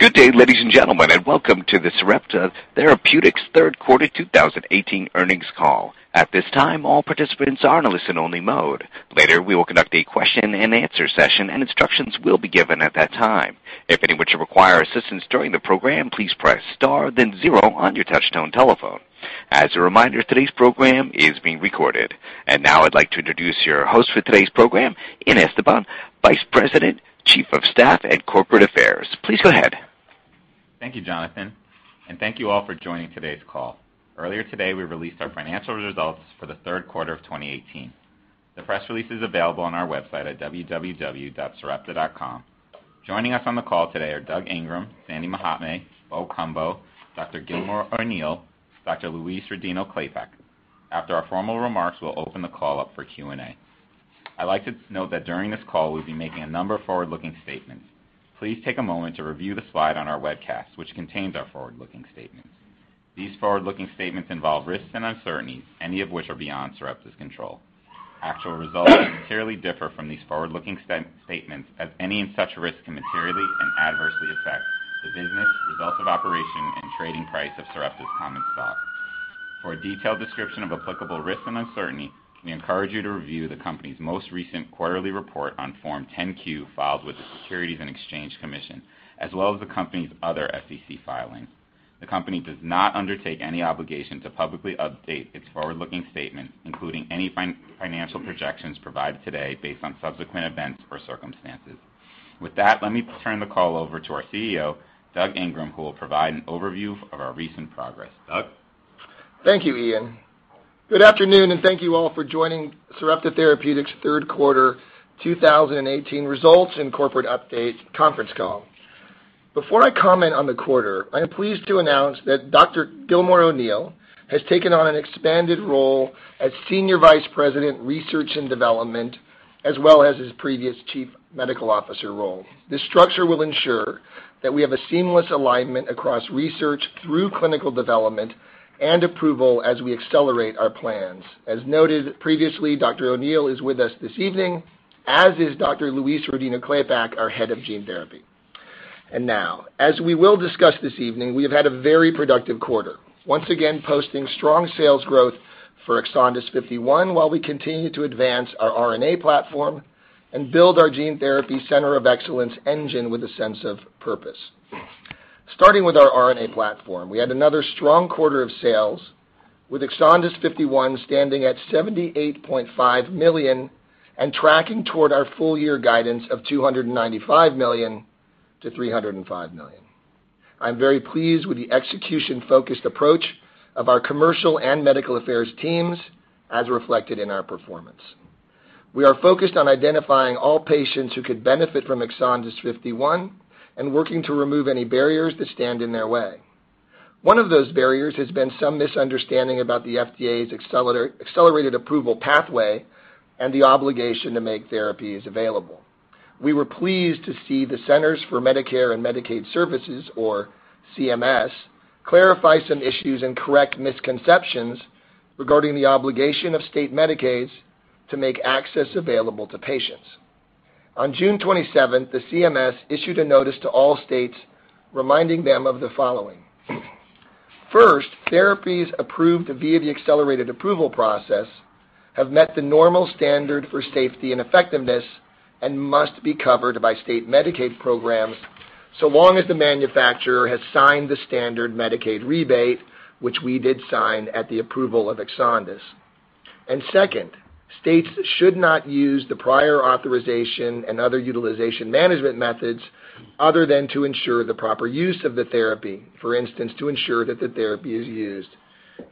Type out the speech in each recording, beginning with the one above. Good day, ladies and gentlemen, and welcome to the Sarepta Therapeutics third quarter 2018 earnings call. At this time, all participants are in a listen-only mode. Later, we will conduct a question and answer session, and instructions will be given at that time. If any of you require assistance during the program, please press star then zero on your touchtone telephone. As a reminder, today's program is being recorded. Now I'd like to introduce your host for today's program, Ian Estepan, Vice President, Chief of Staff and Corporate Affairs. Please go ahead. Thank you, Jonathan, and thank you all for joining today's call. Earlier today, we released our financial results for the third quarter of 2018. The press release is available on our website at www.sarepta.com. Joining us on the call today are Doug Ingram, Sandy Mahatme, Bo Cumbo, Dr. Gilmore O'Neill, Dr. Louise Rodino-Klapac. After our formal remarks, we'll open the call up for Q&A. I'd like to note that during this call, we'll be making a number of forward-looking statements. Please take a moment to review the slide on our webcast, which contains our forward-looking statements. These forward-looking statements involve risks and uncertainties, any of which are beyond Sarepta's control. Actual results can materially differ from these forward-looking statements, as any such risk can materially and adversely affect the business, results of operation, and trading price of Sarepta's common stock. For a detailed description of applicable risk and uncertainty, we encourage you to review the company's most recent quarterly report on Form 10-Q filed with the Securities and Exchange Commission, as well as the company's other SEC filings. The company does not undertake any obligation to publicly update its forward-looking statement, including any financial projections provided today based on subsequent events or circumstances. With that, let me turn the call over to our CEO, Doug Ingram, who will provide an overview of our recent progress. Doug? Thank you, Ian. Good afternoon, and thank you all for joining Sarepta Therapeutics third quarter 2018 results and corporate update conference call. Before I comment on the quarter, I am pleased to announce that Dr. Gilmore O'Neill has taken on an expanded role as Senior Vice President, Research and Development, as well as his previous Chief Medical Officer role. This structure will ensure that we have a seamless alignment across research through clinical development and approval as we accelerate our plans. As noted previously, Dr. O'Neill is with us this evening, as is Dr. Louise Rodino-Klapac, our Head of Gene Therapy. Now, as we will discuss this evening, we have had a very productive quarter, once again posting strong sales growth for EXONDYS 51 while we continue to advance our RNA platform and build our Gene Therapy Center of Excellence engine with a sense of purpose. Starting with our RNA platform, we had another strong quarter of sales, with EXONDYS 51 standing at $78.5 million and tracking toward our full year guidance of $295 million to $305 million. I'm very pleased with the execution-focused approach of our commercial and medical affairs teams, as reflected in our performance. We are focused on identifying all patients who could benefit from EXONDYS 51 and working to remove any barriers that stand in their way. One of those barriers has been some misunderstanding about the FDA's Accelerated Approval pathway and the obligation to make therapies available. We were pleased to see The Centers for Medicare and Medicaid Services, or CMS, clarify some issues and correct misconceptions regarding the obligation of state Medicaids to make access available to patients. On June 27th, the CMS issued a notice to all states reminding them of the following. First, therapies approved via the Accelerated Approval process have met the normal standard for safety and effectiveness and must be covered by state Medicaid programs so long as the manufacturer has signed the standard Medicaid rebate, which we did sign at the approval of EXONDYS. Second, states should not use the prior authorization and other utilization management methods other than to ensure the proper use of the therapy, for instance, to ensure that the therapy is used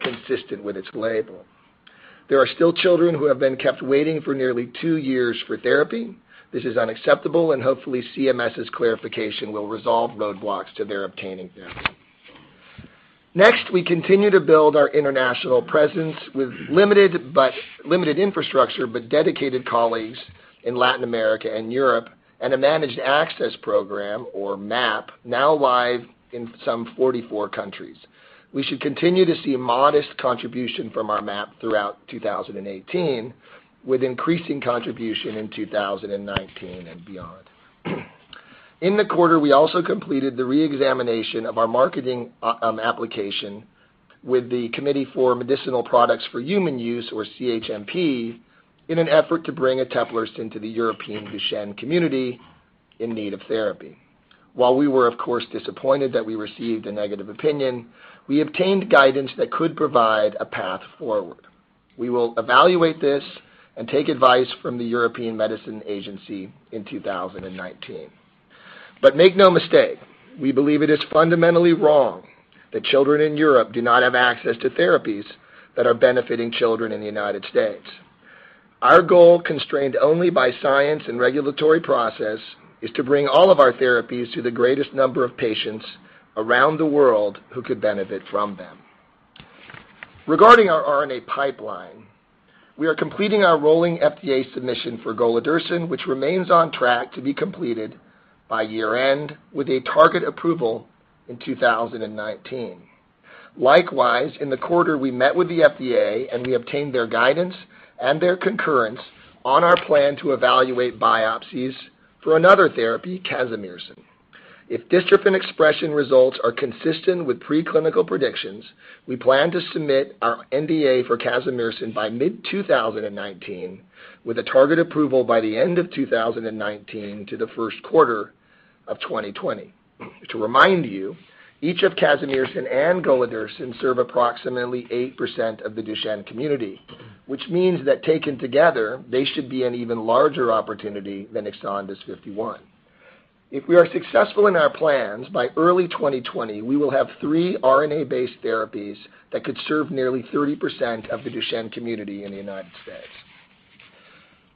consistent with its label. There are still children who have been kept waiting for nearly two years for therapy. This is unacceptable and hopefully CMS's clarification will resolve roadblocks to their obtaining therapy. We continue to build our international presence with limited infrastructure, but dedicated colleagues in Latin America and Europe, and a Managed Access Program, or MAP, now live in some 44 countries. We should continue to see a modest contribution from our MAP throughout 2018, with increasing contribution in 2019 and beyond. In the quarter, we also completed the reexamination of our marketing application with the Committee for Medicinal Products for Human Use, or CHMP, in an effort to bring eteplirsen to the European Duchenne community in need of therapy. While we were, of course, disappointed that we received a negative opinion, we obtained guidance that could provide a path forward. We will evaluate this and take advice from the European Medicines Agency in 2019. Make no mistake, we believe it is fundamentally wrong that children in Europe do not have access to therapies that are benefiting children in the United States. Our goal, constrained only by science and regulatory process, is to bring all of our therapies to the greatest number of patients around the world who could benefit from them. Regarding our RNA pipeline, we are completing our rolling FDA submission for golodirsen, which remains on track to be completed by year-end with a target approval in 2019. Likewise, in the quarter, we met with the FDA, and we obtained their guidance and their concurrence on our plan to evaluate biopsies for another therapy, casimirsen. If dystrophin expression results are consistent with preclinical predictions, we plan to submit our NDA for casimirsen by mid-2019, with a target approval by the end of 2019 to the first quarter of 2020. To remind you, each of casimirsen and golodirsen serve approximately 8% of the Duchenne community, which means that taken together, they should be an even larger opportunity than exon 51. If we are successful in our plans, by early 2020, we will have three RNA-based therapies that could serve nearly 30% of the Duchenne community in the U.S.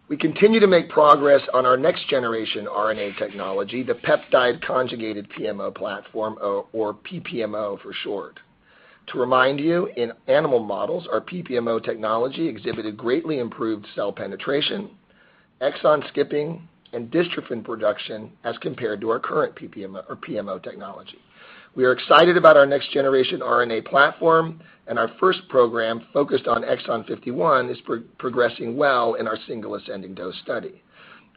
We continue to make progress on our next-generation RNA technology, the peptide conjugated PMO platform or PPMO for short. To remind you, in animal models, our PPMO technology exhibited greatly improved cell penetration, exon skipping, and dystrophin production as compared to our current PMO technology. We are excited about our next-generation RNA platform, and our first program, focused on exon 51, is progressing well in our single ascending dose study.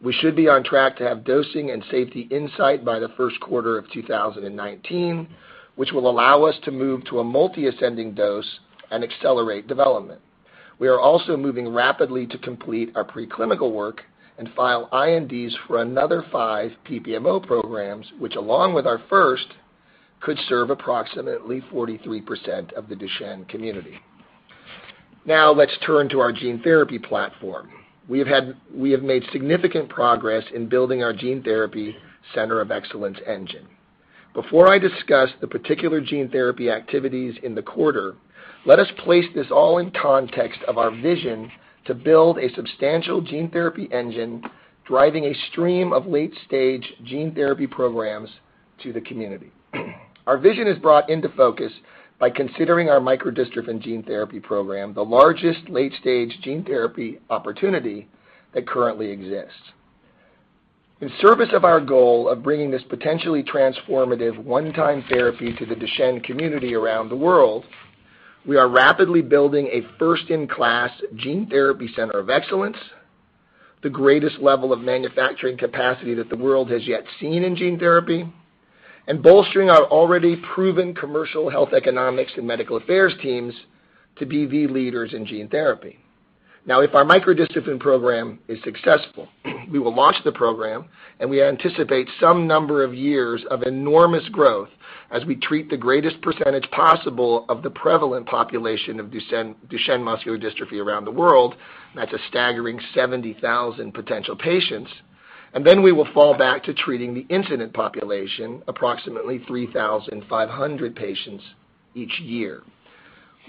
We should be on track to have dosing and safety insight by the first quarter of 2019, which will allow us to move to a multi-ascending dose and accelerate development. We are also moving rapidly to complete our preclinical work and file INDs for another five PPMO programs, which along with our first, could serve approximately 43% of the Duchenne community. Let's turn to our gene therapy platform. We have made significant progress in building our gene therapy center of excellence engine. Before I discuss the particular gene therapy activities in the quarter, let us place this all in context of our vision to build a substantial gene therapy engine driving a stream of late-stage gene therapy programs to the community. Our vision is brought into focus by considering our micro-dystrophin gene therapy program, the largest late-stage gene therapy opportunity that currently exists. In service of our goal of bringing this potentially transformative one-time therapy to the Duchenne community around the world, we are rapidly building a first-in-class gene therapy center of excellence, the greatest level of manufacturing capacity that the world has yet seen in gene therapy, and bolstering our already proven commercial health economics and medical affairs teams to be the leaders in gene therapy. If our micro-dystrophin program is successful, we will launch the program, and we anticipate some number of years of enormous growth as we treat the greatest percentage possible of the prevalent population of Duchenne muscular dystrophy around the world. That's a staggering 70,000 potential patients. We will fall back to treating the incident population, approximately 3,500 patients each year.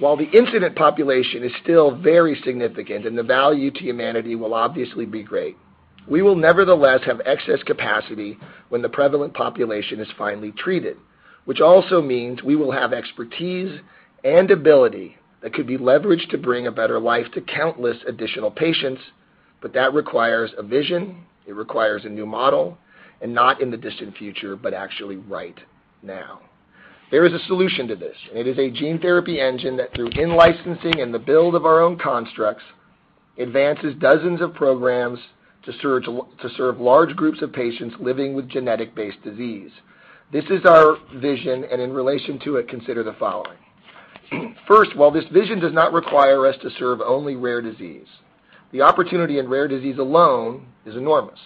While the incident population is still very significant and the value to humanity will obviously be great, we will nevertheless have excess capacity when the prevalent population is finally treated, which also means we will have expertise and ability that could be leveraged to bring a better life to countless additional patients, that requires a vision, it requires a new model, not in the distant future, but actually right now. There is a solution to this, it is a gene therapy engine that through in-licensing and the build of our own constructs, advances dozens of programs to serve large groups of patients living with genetic-based disease. This is our vision, in relation to it, consider the following. First, while this vision does not require us to serve only rare disease, the opportunity in rare disease alone is enormous.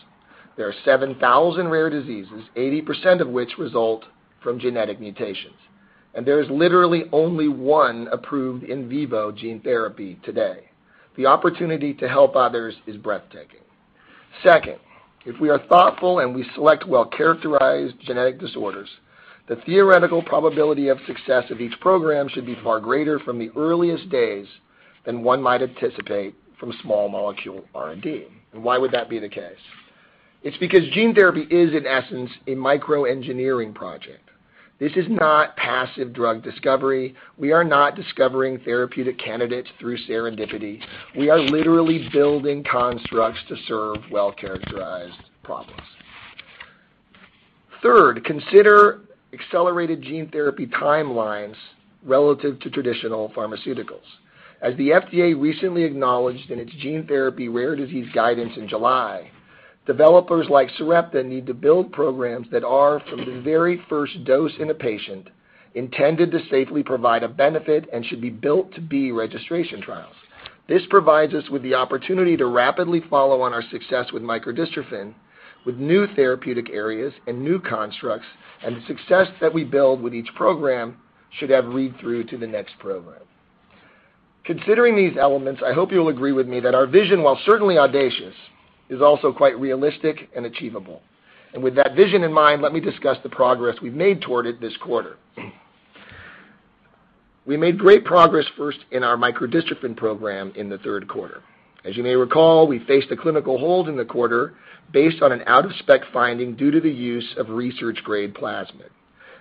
There are 7,000 rare diseases, 80% of which result from genetic mutations, and there is literally only one approved in vivo gene therapy today. The opportunity to help others is breathtaking. Second, if we are thoughtful and we select well-characterized genetic disorders, the theoretical probability of success of each program should be far greater from the earliest days than one might anticipate from small molecule R&D. Why would that be the case? It's because gene therapy is, in essence, a micro-engineering project. This is not passive drug discovery. We are not discovering therapeutic candidates through serendipity. We are literally building constructs to serve well-characterized problems. Third, consider accelerated gene therapy timelines relative to traditional pharmaceuticals. As the FDA recently acknowledged in its gene therapy rare disease guidance in July, developers like Sarepta need to build programs that are, from the very first dose in a patient, intended to safely provide a benefit and should be built to be registration trials. This provides us with the opportunity to rapidly follow on our success with micro-dystrophin, with new therapeutic areas and new constructs, and the success that we build with each program should have read-through to the next program. Considering these elements, I hope you'll agree with me that our vision, while certainly audacious, is also quite realistic and achievable. With that vision in mind, let me discuss the progress we've made toward it this quarter. We made great progress first in our micro-dystrophin program in the third quarter. As you may recall, we faced a clinical hold in the quarter based on an out-of-spec finding due to the use of research-grade plasmid.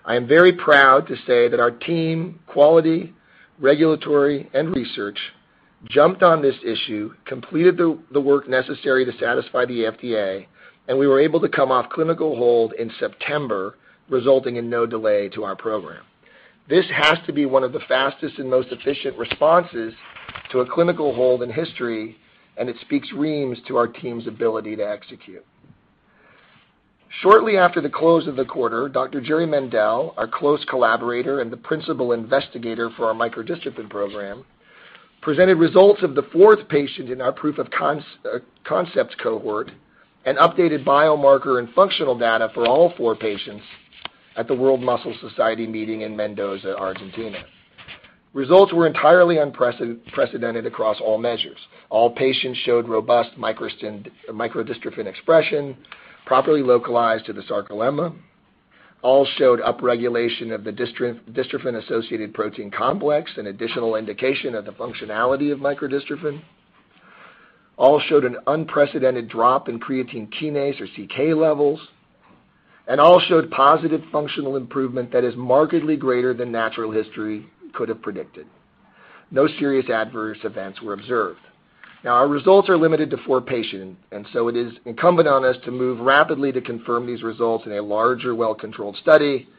I am very proud to say that our team, quality, regulatory and research jumped on this issue, completed the work necessary to satisfy the FDA, and we were able to come off clinical hold in September, resulting in no delay to our program. This has to be one of the fastest and most efficient responses to a clinical hold in history, and it speaks reams to our team's ability to execute. Shortly after the close of the quarter, Dr. Jerry Mendell, our close collaborator and the principal investigator for our micro-dystrophin program, presented results of the fourth patient in our proof of concept cohort, and updated biomarker and functional data for all four patients at the World Muscle Society meeting in Mendoza, Argentina. Results were entirely unprecedented across all measures. All patients showed robust micro-dystrophin expression, properly localized to the sarcolemma. All showed upregulation of the dystrophin-associated protein complex, an additional indication of the functionality of micro-dystrophin. All showed an unprecedented drop in creatine kinase, or CK levels, and all showed positive functional improvement that is markedly greater than natural history could have predicted. No serious adverse events were observed. Our results are limited to four patients, so it is incumbent on us to move rapidly to confirm these results in a larger, well-controlled study.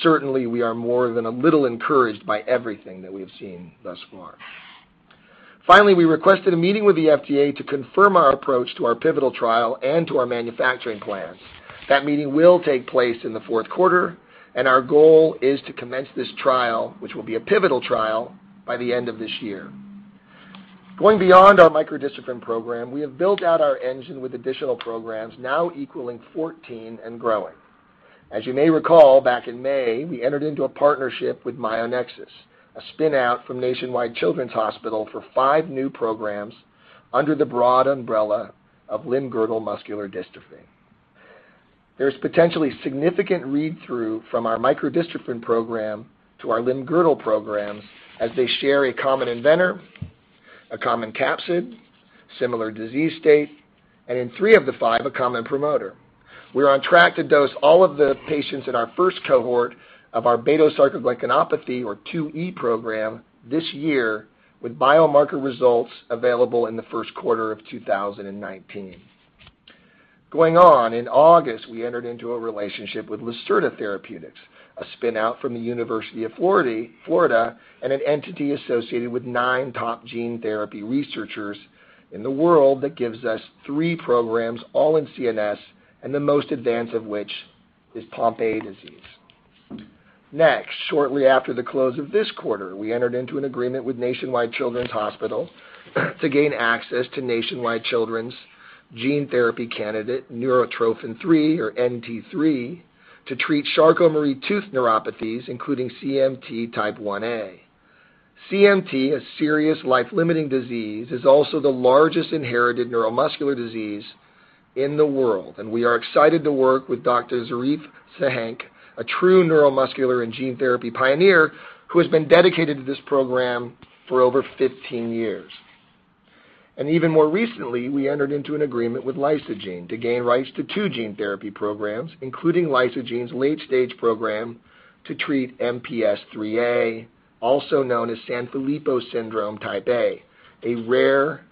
Certainly, we are more than a little encouraged by everything that we have seen thus far. Finally, we requested a meeting with the FDA to confirm our approach to our pivotal trial and to our manufacturing plans. That meeting will take place in the fourth quarter, our goal is to commence this trial, which will be a pivotal trial, by the end of this year. Going beyond our micro-dystrophin program, we have built out our engine with additional programs now equaling 14 and growing. As you may recall, back in May, we entered into a partnership with Myonexus Therapeutics, a spinout from Nationwide Children's Hospital, for five new programs under the broad umbrella of limb-girdle muscular dystrophy. There is potentially significant read-through from our micro-dystrophin program to our limb-girdle programs as they share a common inventor, a common capsid, similar disease state, and in three of the five, a common promoter. We are on track to dose all of the patients in our first cohort of our beta-sarcoglycanopathy, or 2E program this year, with biomarker results available in the first quarter of 2019. Going on, in August, we entered into a relationship with Lacerta Therapeutics, a spinout from the University of Florida, an entity associated with nine top gene therapy researchers in the world that gives us three programs, all in CNS, the most advanced of which is Pompe disease. Next, shortly after the close of this quarter, we entered into an agreement with Nationwide Children's Hospital to gain access to Nationwide Children's gene therapy candidate, neurotrophin-3 or NT-3, to treat Charcot-Marie-Tooth neuropathies, including CMT type 1A. CMT, a serious life-limiting disease, is also the largest inherited neuromuscular disease in the world, we are excited to work with Dr. Zarife Sahenk, a true neuromuscular and gene therapy pioneer who has been dedicated to this program for over 15 years. Even more recently, we entered into an agreement with Lysogene to gain rights to two gene therapy programs, including Lysogene's late-stage program to treat MPS IIIA, also known as Sanfilippo syndrome type A, a rare,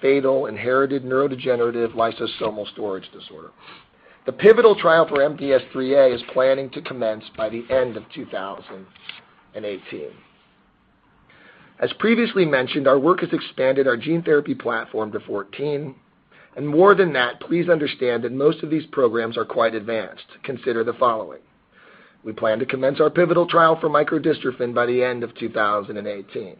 fatal, inherited neurodegenerative lysosomal storage disorder. The pivotal trial for MPS IIIA is planning to commence by the end of 2018. As previously mentioned, our work has expanded our gene therapy platform to 14, more than that, please understand that most of these programs are quite advanced. Consider the following. We plan to commence our pivotal trial for micro-dystrophin by the end of 2018.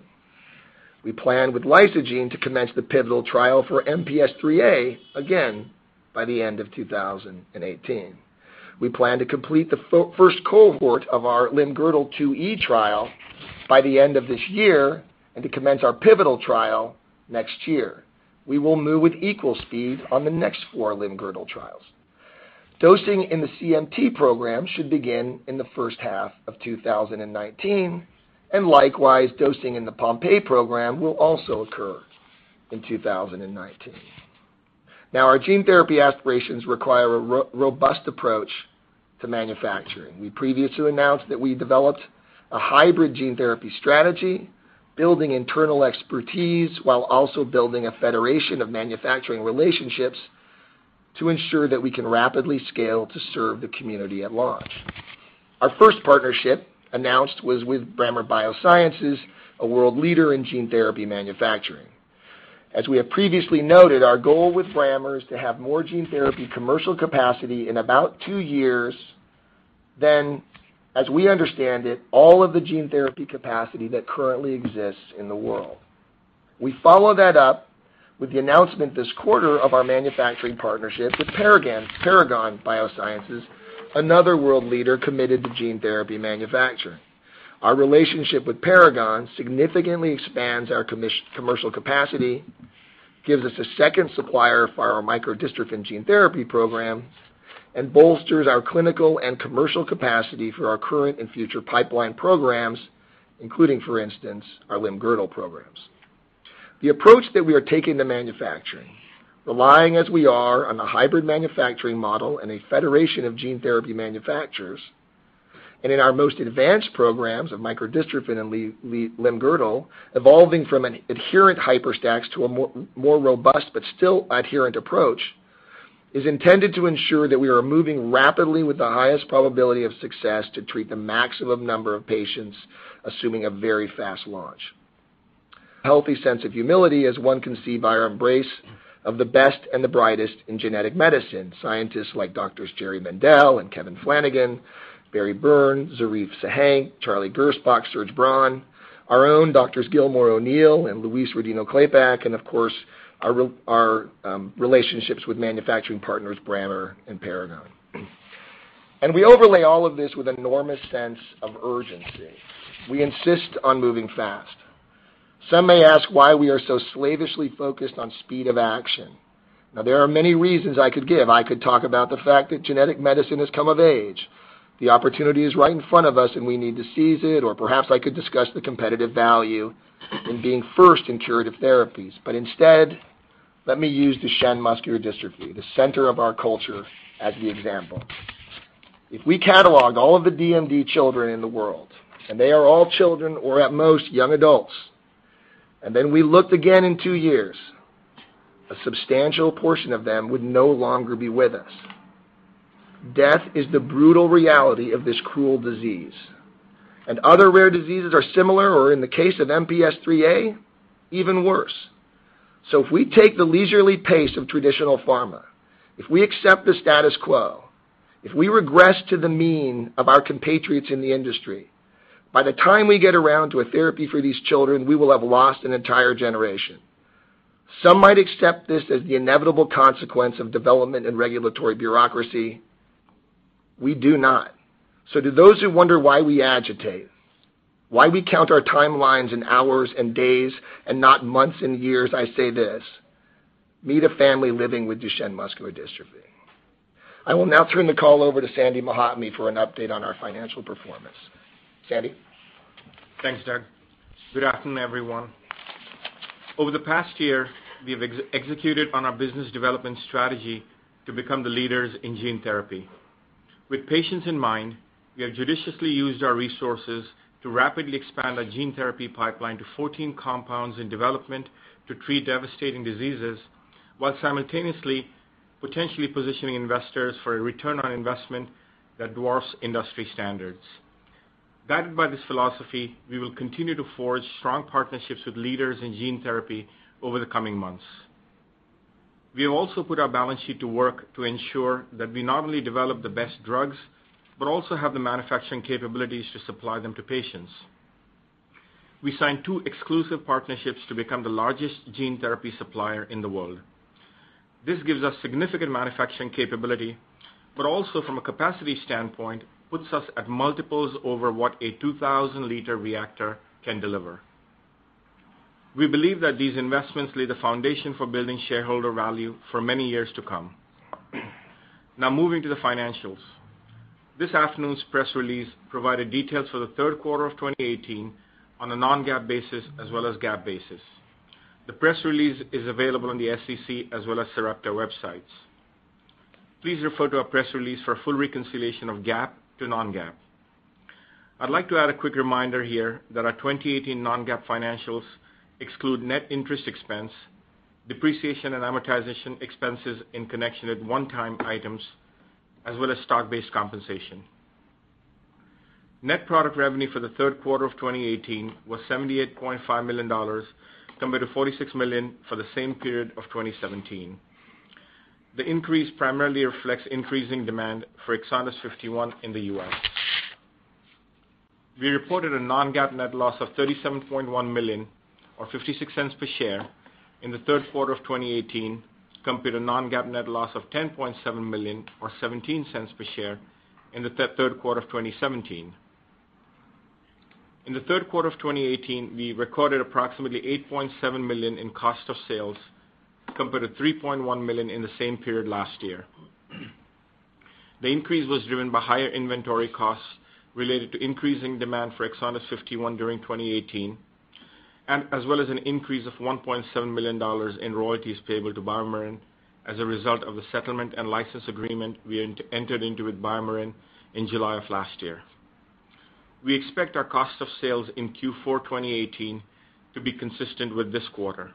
We plan with Lysogene to commence the pivotal trial for MPS IIIA, again, by the end of 2018. We plan to complete the first cohort of our limb-girdle 2E trial by the end of this year, to commence our pivotal trial next year. We will move with equal speed on the next four limb-girdle trials. Dosing in the CMT program should begin in the first half of 2019, likewise, dosing in the Pompe program will also occur in 2019. Now, our gene therapy aspirations require a robust approach to manufacturing. We previously announced that we developed a hybrid gene therapy strategy, building internal expertise while also building a federation of manufacturing relationships to ensure that we can rapidly scale to serve the community at large. Our first partnership announced was with Brammer Bio, a world leader in gene therapy manufacturing. As we have previously noted, our goal with Brammer is to have more gene therapy commercial capacity in about two years than, as we understand it, all of the gene therapy capacity that currently exists in the world. We followed that up with the announcement this quarter of our manufacturing partnership with Paragon Bioservices, another world leader committed to gene therapy manufacturing. Our relationship with Paragon significantly expands our commercial capacity, gives us a second supplier for our micro-dystrophin gene therapy program, and bolsters our clinical and commercial capacity for our current and future pipeline programs, including, for instance, our limb-girdle programs. The approach that we are taking to manufacturing, relying as we are on a hybrid manufacturing model and a federation of gene therapy manufacturers, and in our most advanced programs of micro-dystrophin and limb-girdle, evolving from an adherent HYPERStack to a more robust but still adherent approach, is intended to ensure that we are moving rapidly with the highest probability of success to treat the maximum number of patients, assuming a very fast launch. A healthy sense of humility, as one can see by our embrace of the best and the brightest in genetic medicine, scientists like Doctors Jerry Mendell and Kevin Flanigan, Barry Byrne, Zarife Sahenk, Charlie Gersbach, Serge Braun, our own Doctors Gilmore O'Neill and Louise Rodino-Klapac, and of course, our relationships with manufacturing partners, Brammer and Paragon. We overlay all of this with enormous sense of urgency. We insist on moving fast. Some may ask why we are so slavishly focused on speed of action. There are many reasons I could give. I could talk about the fact that genetic medicine has come of age. The opportunity is right in front of us, and we need to seize it, or perhaps I could discuss the competitive value in being first in curative therapies. Instead, let me use Duchenne muscular dystrophy, the center of our culture, as the example. If we catalog all of the DMD children in the world, and they are all children or at most young adults, and then we looked again in two years, a substantial portion of them would no longer be with us. Death is the brutal reality of this cruel disease, and other rare diseases are similar, or in the case of MPS IIIA, even worse. If we take the leisurely pace of traditional pharma, if we accept the status quo, if we regress to the mean of our compatriots in the industry, by the time we get around to a therapy for these children, we will have lost an entire generation. Some might accept this as the inevitable consequence of development and regulatory bureaucracy. We do not. To those who wonder why we agitate, why we count our timelines in hours and days and not months and years, I say this, meet a family living with Duchenne muscular dystrophy. I will now turn the call over to Sandy Mahatme for an update on our financial performance. Sandy? Thanks, Doug. Good afternoon, everyone. Over the past year, we have executed on our business development strategy to become the leaders in gene therapy. With patients in mind, we have judiciously used our resources to rapidly expand our gene therapy pipeline to 14 compounds in development to treat devastating diseases, while simultaneously, potentially positioning investors for a return on investment that dwarfs industry standards. Guided by this philosophy, we will continue to forge strong partnerships with leaders in gene therapy over the coming months. We have also put our balance sheet to work to ensure that we not only develop the best drugs, but also have the manufacturing capabilities to supply them to patients. We signed two exclusive partnerships to become the largest gene therapy supplier in the world. This gives us significant manufacturing capability, but also from a capacity standpoint, puts us at multiples over what a 2,000-liter reactor can deliver. We believe that these investments lay the foundation for building shareholder value for many years to come. Moving to the financials. This afternoon's press release provided details for the third quarter of 2018 on a non-GAAP basis as well as GAAP basis. The press release is available on the SEC as well as Sarepta websites. Please refer to our press release for a full reconciliation of GAAP to non-GAAP. I'd like to add a quick reminder here that our 2018 non-GAAP financials exclude net interest expense, depreciation and amortization expenses in connection with one-time items, as well as stock-based compensation. Net product revenue for the third quarter of 2018 was $78.5 million, compared to $46 million for the same period of 2017. The increase primarily reflects increasing demand for EXONDYS 51 in the U.S. We reported a non-GAAP net loss of $37.1 million or $0.56 per share in the third quarter of 2018, compared to non-GAAP net loss of $10.7 million or $0.17 per share in the third quarter of 2017. In the third quarter of 2018, we recorded approximately $8.7 million in cost of sales, compared to $3.1 million in the same period last year. The increase was driven by higher inventory costs related to increasing demand for EXONDYS 51 during 2018, as well as an increase of $1.7 million in royalties payable to BioMarin as a result of the settlement and license agreement we entered into with BioMarin in July of last year. We expect our cost of sales in Q4 2018 to be consistent with this quarter.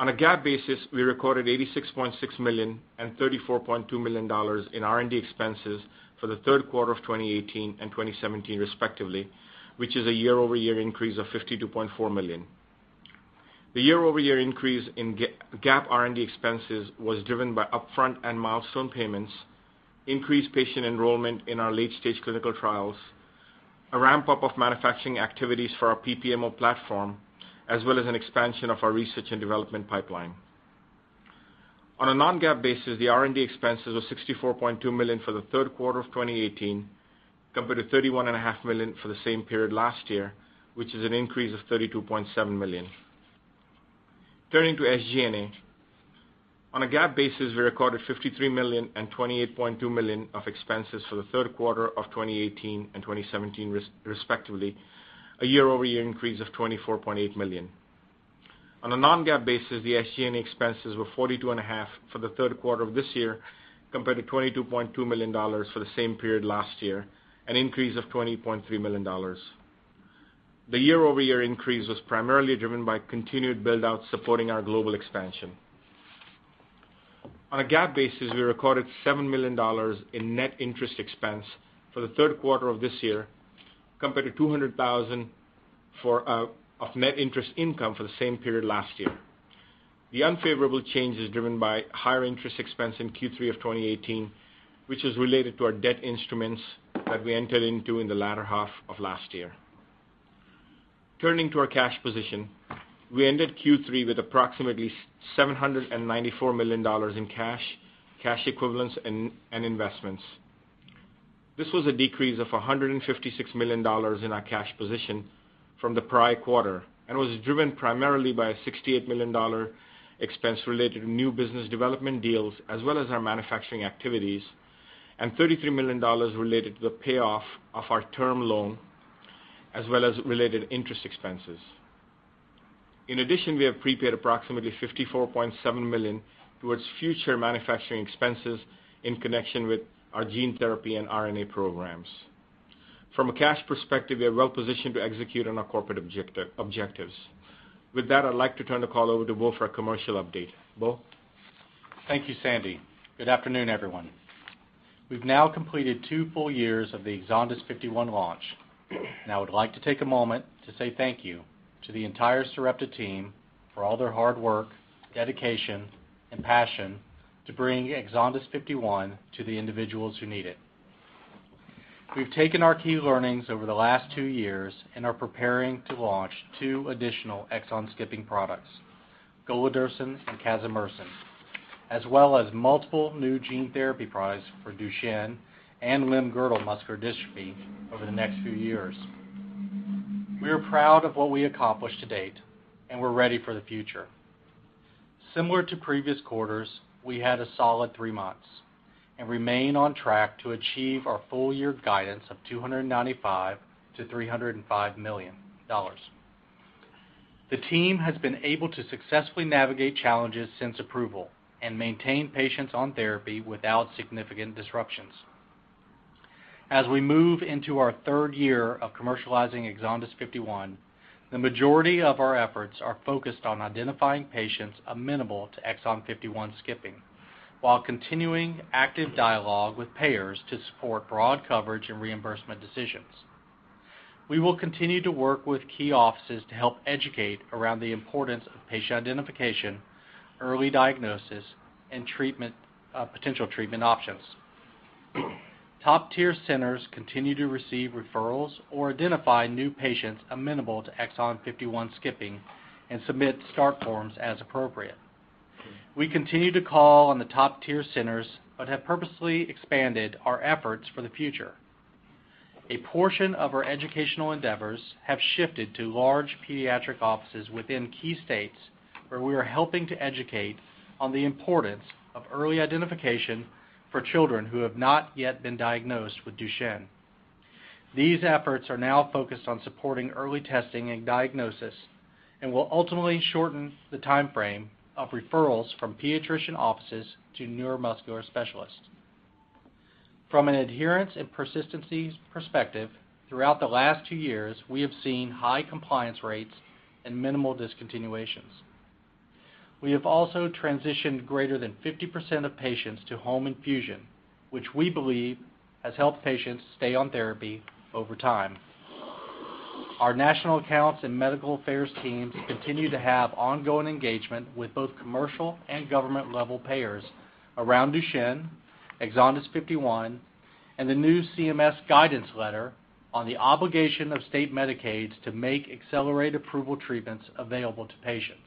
On a GAAP basis, we recorded $86.6 million and $34.2 million in R&D expenses for the third quarter of 2018 and 2017, respectively, which is a year-over-year increase of $52.4 million. The year-over-year increase in GAAP R&D expenses was driven by upfront and milestone payments, increased patient enrollment in our late-stage clinical trials, a ramp-up of manufacturing activities for our PPMO platform, as well as an expansion of our research and development pipeline. On a non-GAAP basis, the R&D expenses were $64.2 million for the third quarter of 2018, compared to $31.5 million for the same period last year, which is an increase of $32.7 million. Turning to SG&A. On a GAAP basis, we recorded $53 million and $28.2 million of expenses for the third quarter of 2018 and 2017 respectively, a year-over-year increase of $24.8 million. On a non-GAAP basis, the SG&A expenses were $42.5 million for the third quarter of this year compared to $22.2 million for the same period last year, an increase of $20.3 million. The year-over-year increase was primarily driven by continued build-out supporting our global expansion. On a GAAP basis, we recorded $7 million in net interest expense for the third quarter of this year compared to $200,000 of net interest income for the same period last year. The unfavorable change is driven by higher interest expense in Q3 of 2018, which is related to our debt instruments that we entered into in the latter half of last year. Turning to our cash position. We ended Q3 with approximately $794 million in cash equivalents, and investments. This was a decrease of $156 million in our cash position from the prior quarter, was driven primarily by a $68 million expense related to new business development deals, as well as our manufacturing activities, and $33 million related to the payoff of our term loan, as well as related interest expenses. In addition, we have prepaid approximately $54.7 million towards future manufacturing expenses in connection with our gene therapy and RNA programs. From a cash perspective, we are well positioned to execute on our corporate objectives. With that, I'd like to turn the call over to Bo for a commercial update. Bo? Thank you, Sandy. Good afternoon, everyone. We've now completed two full years of the EXONDYS 51 launch, I would like to take a moment to say thank you to the entire Sarepta team for all their hard work, dedication, and passion to bringing EXONDYS 51 to the individuals who need it. We've taken our key learnings over the last two years and are preparing to launch two additional exon skipping products, golodirsen and casimersen, as well as multiple new gene therapy products for Duchenne and limb-girdle muscular dystrophy over the next few years. We are proud of what we accomplished to date, we're ready for the future. Similar to previous quarters, we had a solid three months and remain on track to achieve our full year guidance of $295 million-$305 million. The team has been able to successfully navigate challenges since approval and maintain patients on therapy without significant disruptions. As we move into our third year of commercializing EXONDYS 51, the majority of our efforts are focused on identifying patients amenable to exon 51 skipping, while continuing active dialogue with payers to support broad coverage and reimbursement decisions. We will continue to work with key offices to help educate around the importance of patient identification, early diagnosis, and potential treatment options. Top-tier centers continue to receive referrals or identify new patients amenable to exon 51 skipping and submit start forms as appropriate. We continue to call on the top-tier centers but have purposely expanded our efforts for the future. A portion of our educational endeavors have shifted to large pediatric offices within key states, where we are helping to educate on the importance of early identification for children who have not yet been diagnosed with Duchenne. These efforts are now focused on supporting early testing and diagnosis and will ultimately shorten the timeframe of referrals from pediatrician offices to neuromuscular specialists. From an adherence and persistency perspective, throughout the last two years, we have seen high compliance rates and minimal discontinuations. We have also transitioned greater than 50% of patients to home infusion, which we believe has helped patients stay on therapy over time. Our national accounts and medical affairs teams continue to have ongoing engagement with both commercial and government-level payers around Duchenne, EXONDYS 51, and the new CMS guidance letter on the obligation of state Medicaid to make Accelerated Approval treatments available to patients.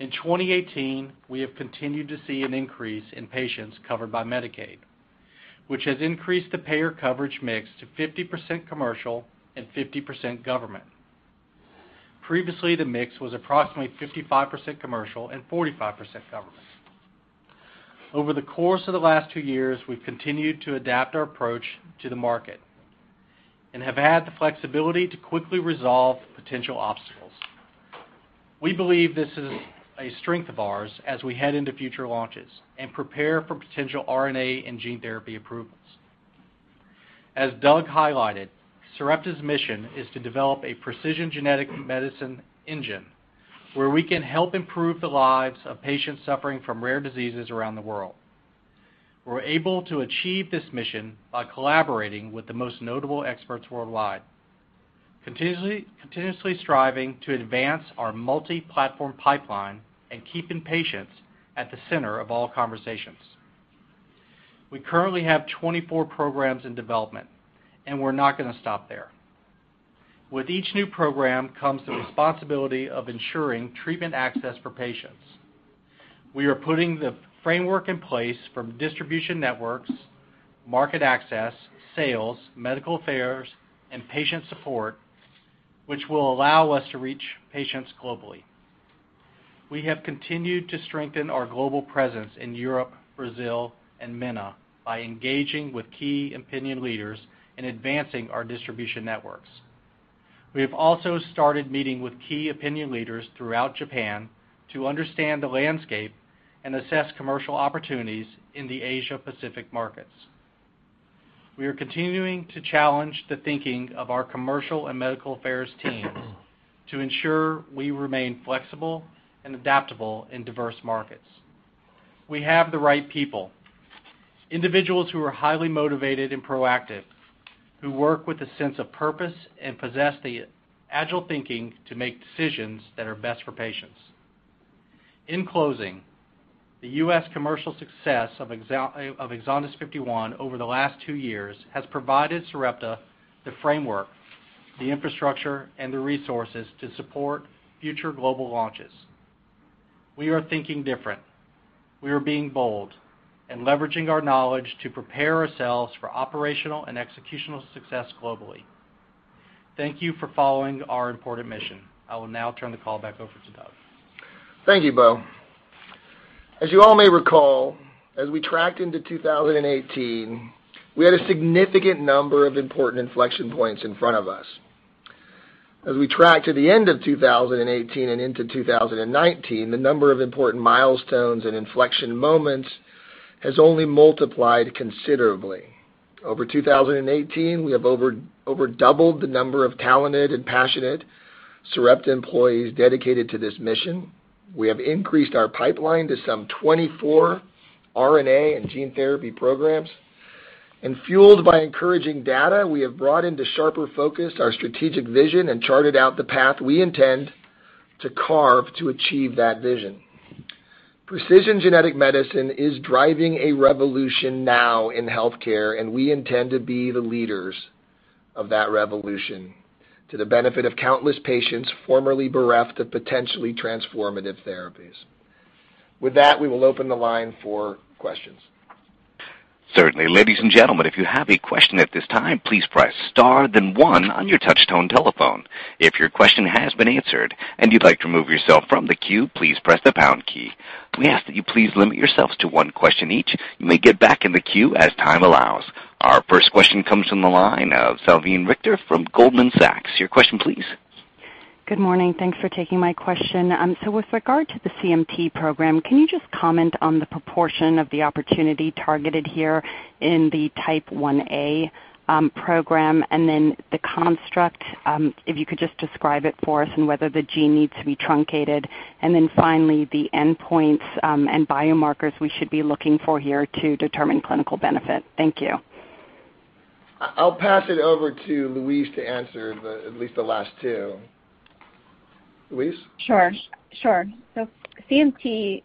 In 2018, we have continued to see an increase in patients covered by Medicaid, which has increased the payer coverage mix to 50% commercial and 50% government. Previously, the mix was approximately 55% commercial and 45% government. Over the course of the last two years, we've continued to adapt our approach to the market and have had the flexibility to quickly resolve potential obstacles. We believe this is a strength of ours as we head into future launches and prepare for potential RNA and gene therapy approvals. As Doug highlighted, Sarepta's mission is to develop a precision genetic medicine engine where we can help improve the lives of patients suffering from rare diseases around the world. We're able to achieve this mission by collaborating with the most notable experts worldwide, continuously striving to advance our multi-platform pipeline, and keeping patients at the center of all conversations. We currently have 24 programs in development, and we're not going to stop there. With each new program comes the responsibility of ensuring treatment access for patients. We are putting the framework in place from distribution networks, market access, sales, medical affairs, and patient support, which will allow us to reach patients globally. We have continued to strengthen our global presence in Europe, Brazil, and MENA by engaging with key opinion leaders and advancing our distribution networks. We have also started meeting with key opinion leaders throughout Japan to understand the landscape and assess commercial opportunities in the Asia Pacific markets. We are continuing to challenge the thinking of our commercial and medical affairs teams to ensure we remain flexible and adaptable in diverse markets. We have the right people, individuals who are highly motivated and proactive, who work with a sense of purpose and possess the agile thinking to make decisions that are best for patients. In closing, the U.S. commercial success of EXONDYS 51 over the last two years has provided Sarepta the framework, the infrastructure, and the resources to support future global launches. We are thinking different. We are being bold and leveraging our knowledge to prepare ourselves for operational and executional success globally. Thank you for following our important mission. I will now turn the call back over to Doug. Thank you, Bo. As you all may recall, as we tracked into 2018, we had a significant number of important inflection points in front of us. As we track to the end of 2018 and into 2019, the number of important milestones and inflection moments has only multiplied considerably. Over 2018, we have over doubled the number of talented and passionate Sarepta employees dedicated to this mission. We have increased our pipeline to some 24 RNA and gene therapy programs. Fueled by encouraging data, we have brought into sharper focus our strategic vision and charted out the path we intend to carve to achieve that vision. Precision genetic medicine is driving a revolution now in healthcare, and we intend to be the leaders of that revolution to the benefit of countless patients formerly bereft of potentially transformative therapies. With that, we will open the line for questions. Certainly. Ladies and gentlemen, if you have a question at this time, please press star then one on your touch-tone telephone. If your question has been answered and you'd like to remove yourself from the queue, please press the pound key. We ask that you please limit yourselves to one question each. You may get back in the queue as time allows. Our first question comes from the line of Salveen Richter from Goldman Sachs. Your question, please. Good morning. Thanks for taking my question. With regard to the CMT program, can you just comment on the proportion of the opportunity targeted here in the CMT type 1A program, then the construct, if you could just describe it for us and whether the gene needs to be truncated. Then finally, the endpoints and biomarkers we should be looking for here to determine clinical benefit. Thank you. I'll pass it over to Louise to answer at least the last two. Louise? Sure. CMT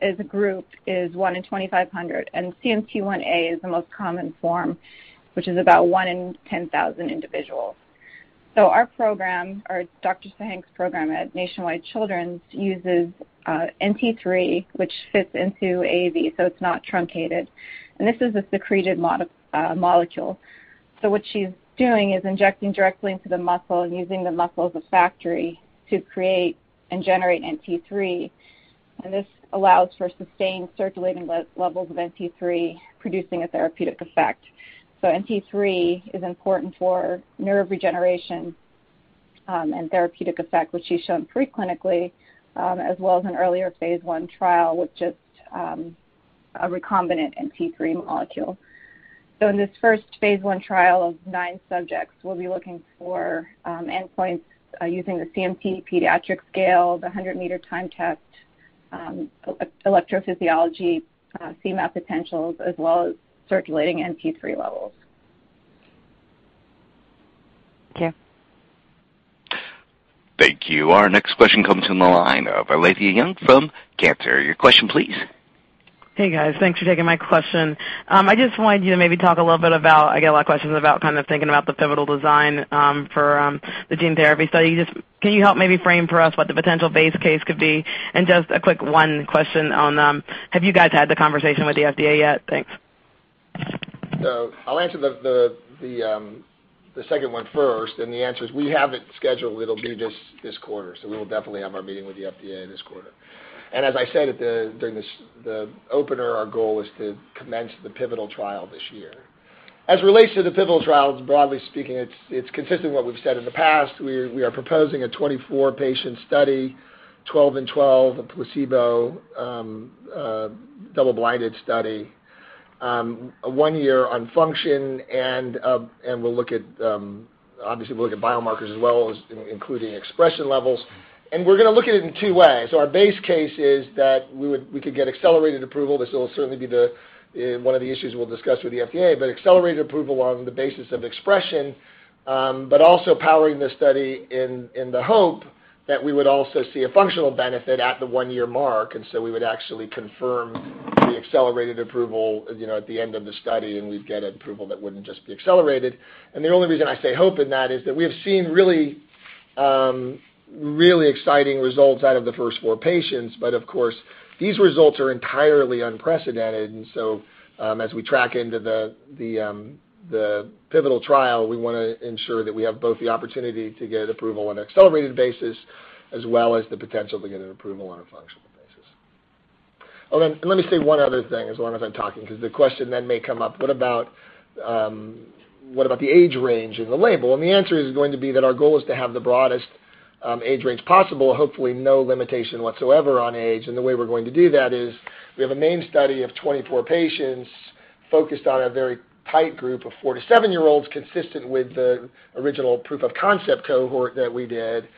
as a group is 1 in 2,500, CMT 1A is the most common form, which is about 1 in 10,000 individuals. Our program, or Dr. Sahenk's program at Nationwide Children's Hospital, uses NT-3, which fits into AAV, so it's not truncated. This is a secreted molecule. What she's doing is injecting directly into the muscle, using the muscle as a factory to create and generate NT-3. This allows for sustained circulating levels of NT-3, producing a therapeutic effect. NT-3 is important for nerve regeneration, and therapeutic effect, which she's shown preclinically, as well as an earlier phase I trial with just a recombinant NT-3 molecule. In this first phase I trial of 9 subjects, we'll be looking for endpoints using the CMT Pediatric Scale, the 100-meter timed test, electrophysiology, CMAP potentials, as well as circulating NT-3 levels. Okay. Thank you. Our next question comes from the line of Alethia Young from Cantor Fitzgerald. Your question, please. Hey, guys. Thanks for taking my question. I just wanted you to maybe talk a little bit about. I get a lot of questions about kind of thinking about the pivotal design for the gene therapy study. Can you help maybe frame for us what the potential base case could be? A quick one question on, have you guys had the conversation with the FDA yet? Thanks. I'll answer the second one first. The answer is we have it scheduled. It'll be this quarter. We will definitely have our meeting with the FDA this quarter. As I said during the opener, our goal is to commence the pivotal trial this year. As it relates to the pivotal trials, broadly speaking, it's consistent with what we've said in the past. We are proposing a 24-patient study, 12 and 12, a placebo, double-blinded study, one year on function, and obviously, we'll look at biomarkers as well, including expression levels. We're going to look at it in two ways. Our base case is that we could get Accelerated Approval. This will certainly be one of the issues we'll discuss with the FDA, Accelerated Approval on the basis of expression, also powering the study in the hope that we would also see a functional benefit at the one-year mark, so we would actually confirm the Accelerated Approval at the end of the study, we'd get an approval that wouldn't just be accelerated. The only reason I say hope in that is that we have seen really, really exciting results out of the first four patients, of course, these results are entirely unprecedented, as we track into the pivotal trial, we want to ensure that we have both the opportunity to get approval on an accelerated basis, as well as the potential to get an approval on a functional basis. Okay. Let me say one other thing as long as I'm talking, because the question then may come up, what about the age range in the label? The answer is going to be that our goal is to have the broadest age range possible, hopefully no limitation whatsoever on age. The way we're going to do that is we have a main study of 24 patients focused on a very tight group of four to seven-year-olds consistent with the original proof of concept cohort that we did.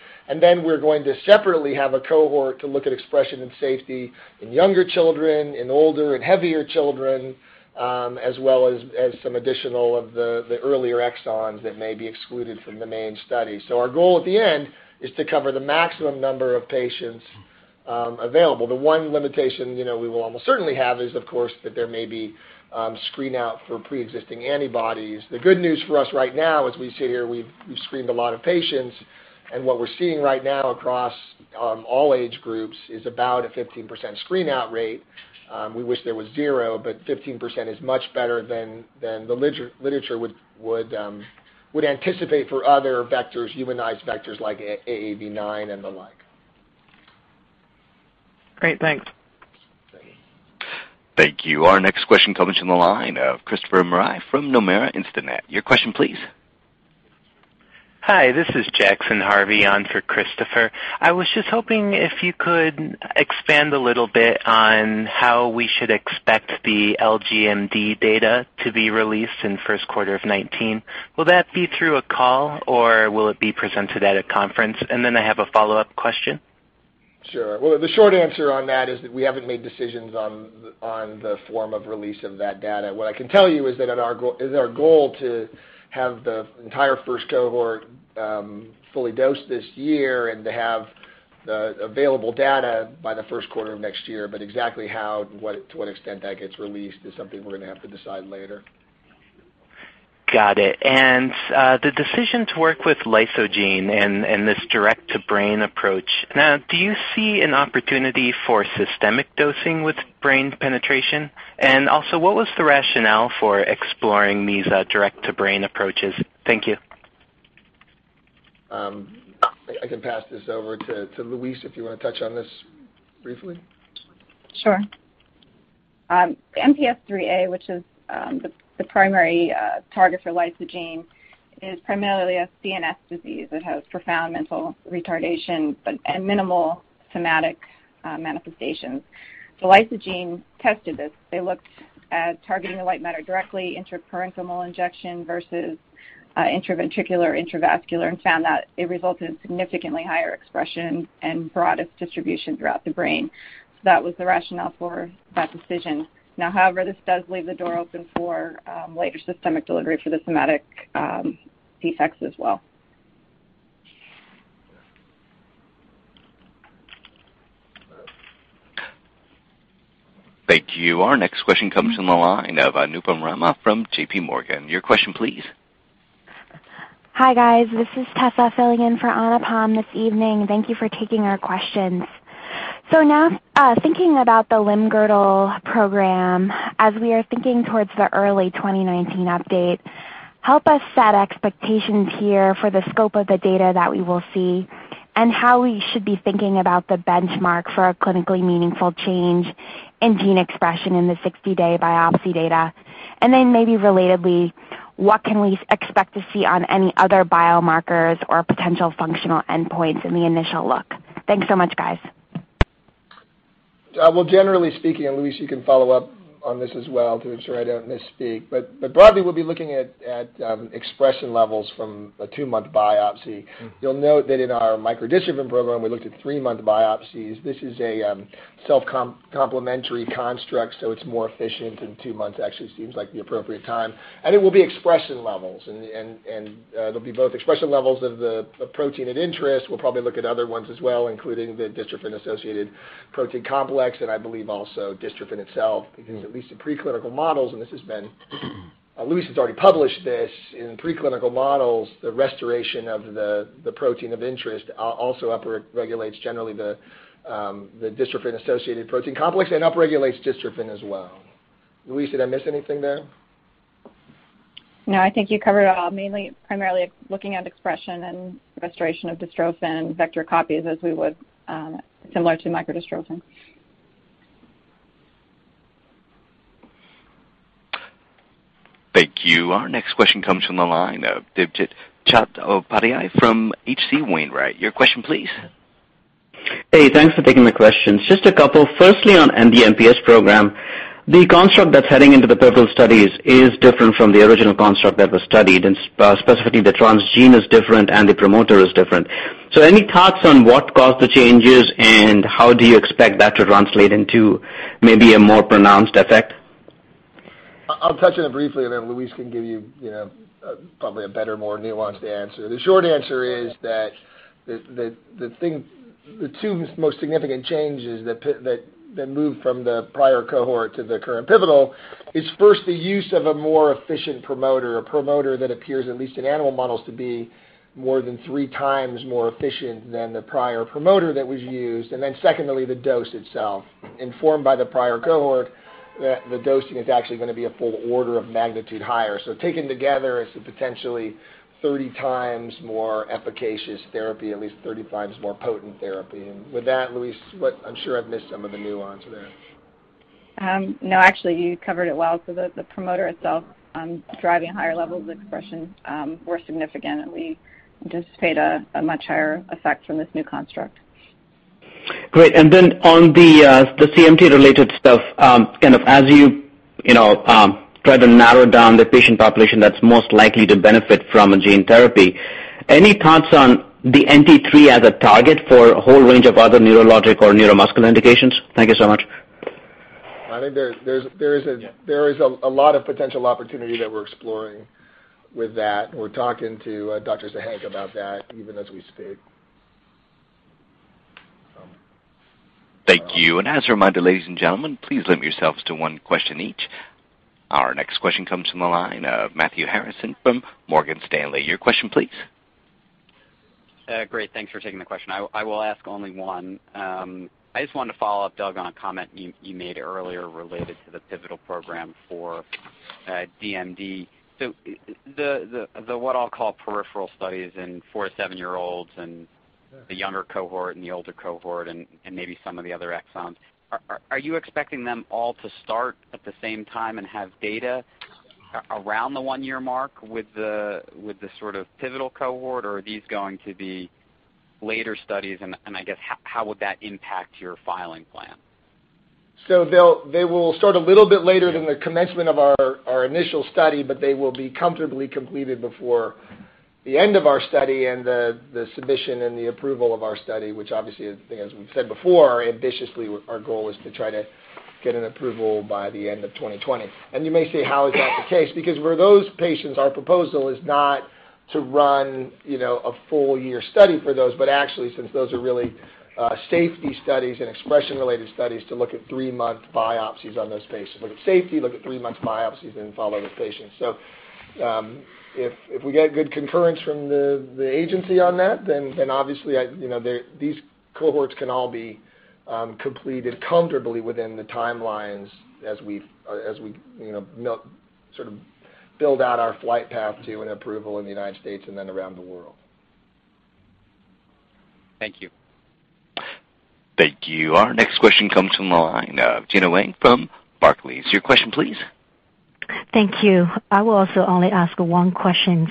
Then we're going to separately have a cohort to look at expression and safety in younger children, in older and heavier children, as well as some additional of the earlier exons that may be excluded from the main study. Our goal at the end is to cover the maximum number of patients available. The one limitation we will almost certainly have is, of course, that there may be screen out for preexisting antibodies. The good news for us right now, as we sit here, we've screened a lot of patients, what we're seeing right now across all age groups is about a 15% screen out rate. We wish there was zero, 15% is much better than the literature would anticipate for other vectors, humanized vectors like AAV9 and the like. Great. Thanks. Thank you. Thank you. Our next question comes from the line of Christopher Marai from Nomura Instinet. Your question, please. Hi, this is Jackson Harvey on for Christopher. I was just hoping if you could expand a little bit on how we should expect the LGMD data to be released in the first quarter of 2019. Will that be through a call, or will it be presented at a conference? I have a follow-up question. The short answer on that is that we haven't made decisions on the form of release of that data. What I can tell you is that it is our goal to have the entire first cohort fully dosed this year and to have the available data by the first quarter of next year. Exactly how, to what extent that gets released is something we're going to have to decide later. Got it. The decision to work with Lysogene and this direct to brain approach. Do you see an opportunity for systemic dosing with brain penetration? Also, what was the rationale for exploring these direct to brain approaches? Thank you. I can pass this over to Louise if you want to touch on this briefly. Sure. MPS IIIA, which is the primary target for Lysogene, is primarily a CNS disease that has profound mental retardation and minimal somatic manifestations. Lysogene tested this. They looked at targeting the white matter directly, intraparenchymal injection versus intraventricular, intravascular, and found that it resulted in significantly higher expression and broadest distribution throughout the brain. That was the rationale for that decision. However, this does leave the door open for later systemic delivery for the somatic defects as well. Thank you. Our next question comes from the line of Anupam Rama from JPMorgan. Your question, please. Hi, guys. This is Tessa filling in for Anupam this evening. Thank you for taking our questions. Thinking about the limb-girdle program, as we are thinking towards the early 2019 update, help us set expectations here for the scope of the data that we will see and how we should be thinking about the benchmark for a clinically meaningful change in gene expression in the 60-day biopsy data. Maybe relatedly, what can we expect to see on any other biomarkers or potential functional endpoints in the initial look? Thanks so much, guys. Well, generally speaking, and Louise, you can follow up on this as well to ensure I don't misspeak, but broadly, we'll be looking at expression levels from a two-month biopsy. You'll note that in our micro-dystrophin program, we looked at three-month biopsies. This is a self-complementary construct, so it's more efficient, and two months actually seems like the appropriate time. It will be expression levels, and it'll be both expression levels of the protein of interest. We'll probably look at other ones as well, including the dystrophin-associated protein complex and I believe also dystrophin itself, because at least in preclinical models, and this has been Louise has already published this. In preclinical models, the restoration of the protein of interest also upregulates generally the dystrophin-associated protein complex and upregulates dystrophin as well. Louise, did I miss anything there? No, I think you covered it all. Mainly, primarily looking at expression and restoration of dystrophin vector copies as we would similar to micro-dystrophin. Thank you. Our next question comes from the line of Debjit Chattopadhyay from H.C. Wainwright. Your question, please. Hey, thanks for taking the questions. Just a couple. Firstly, on the MPS program, the construct that's heading into the pivotal studies is different from the original construct that was studied, and specifically, the transgene is different and the promoter is different. Any thoughts on what caused the changes, and how do you expect that to translate into maybe a more pronounced effect? I'll touch on it briefly, and then Louise can give you probably a better, more nuanced answer. The short answer is that the two most significant changes that moved from the prior cohort to the current pivotal is first the use of a more efficient promoter, a promoter that appears, at least in animal models, to be more than three times more efficient than the prior promoter that was used. Then secondly, the dose itself. Informed by the prior cohort, the dosing is actually going to be a full order of magnitude higher. Taken together, it's a potentially 30 times more efficacious therapy, at least 30 times more potent therapy. With that, Louise, I'm sure I've missed some of the nuance there. No, actually, you covered it well. The promoter itself driving higher levels of expression were significant, and we anticipate a much higher effect from this new construct. Great. Then on the CMT-related stuff, as you try to narrow down the patient population that's most likely to benefit from a gene therapy, any thoughts on the NT3 as a target for a whole range of other neurologic or neuromuscular indications? Thank you so much. I think there is a lot of potential opportunity that we're exploring with that. We're talking to Zarife Sahenk about that even as we speak. Thank you. As a reminder, ladies and gentlemen, please limit yourselves to one question each. Our next question comes from the line of Matthew Harrison from Morgan Stanley. Your question, please. Great. Thanks for taking the question. I will ask only one. I just wanted to follow up, Doug, on a comment you made earlier related to the pivotal program for DMD. The, what I'll call peripheral studies in four to seven-year-olds and the younger cohort and the older cohort and maybe some of the other exons, are you expecting them all to start at the same time and have data around the one-year mark with the sort of pivotal cohort? Are these going to be later studies, and I guess, how would that impact your filing plan? They will start a little bit later than the commencement of our initial study, but they will be comfortably completed before the end of our study and the submission and the approval of our study, which obviously, as we've said before, ambitiously, our goal is to try to get an approval by the end of 2020. You may say, how is that the case? Because for those patients, our proposal is not to run a full-year study for those, but actually, since those are really safety studies and expression-related studies, to look at three-month biopsies on those patients. Look at safety, look at three months biopsies, then follow those patients. If we get good concurrence from the agency on that, then obviously these cohorts can all be completed comfortably within the timelines as we sort of build out our flight path to an approval in the U.S. and then around the world. Thank you. Thank you. Our next question comes from the line of Gena Wang from Barclays. Your question, please. Thank you. I will also only ask one question.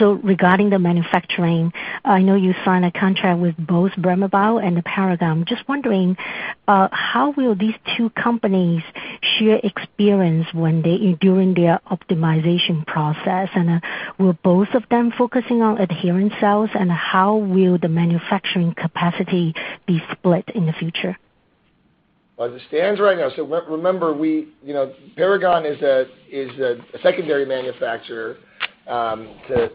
Regarding the manufacturing, I know you signed a contract with both Brammer Bio and the Paragon. Just wondering, how will these two companies share experience during their optimization process? Will both of them focusing on adherent cells, and how will the manufacturing capacity be split in the future? Remember, Paragon is a secondary manufacturer to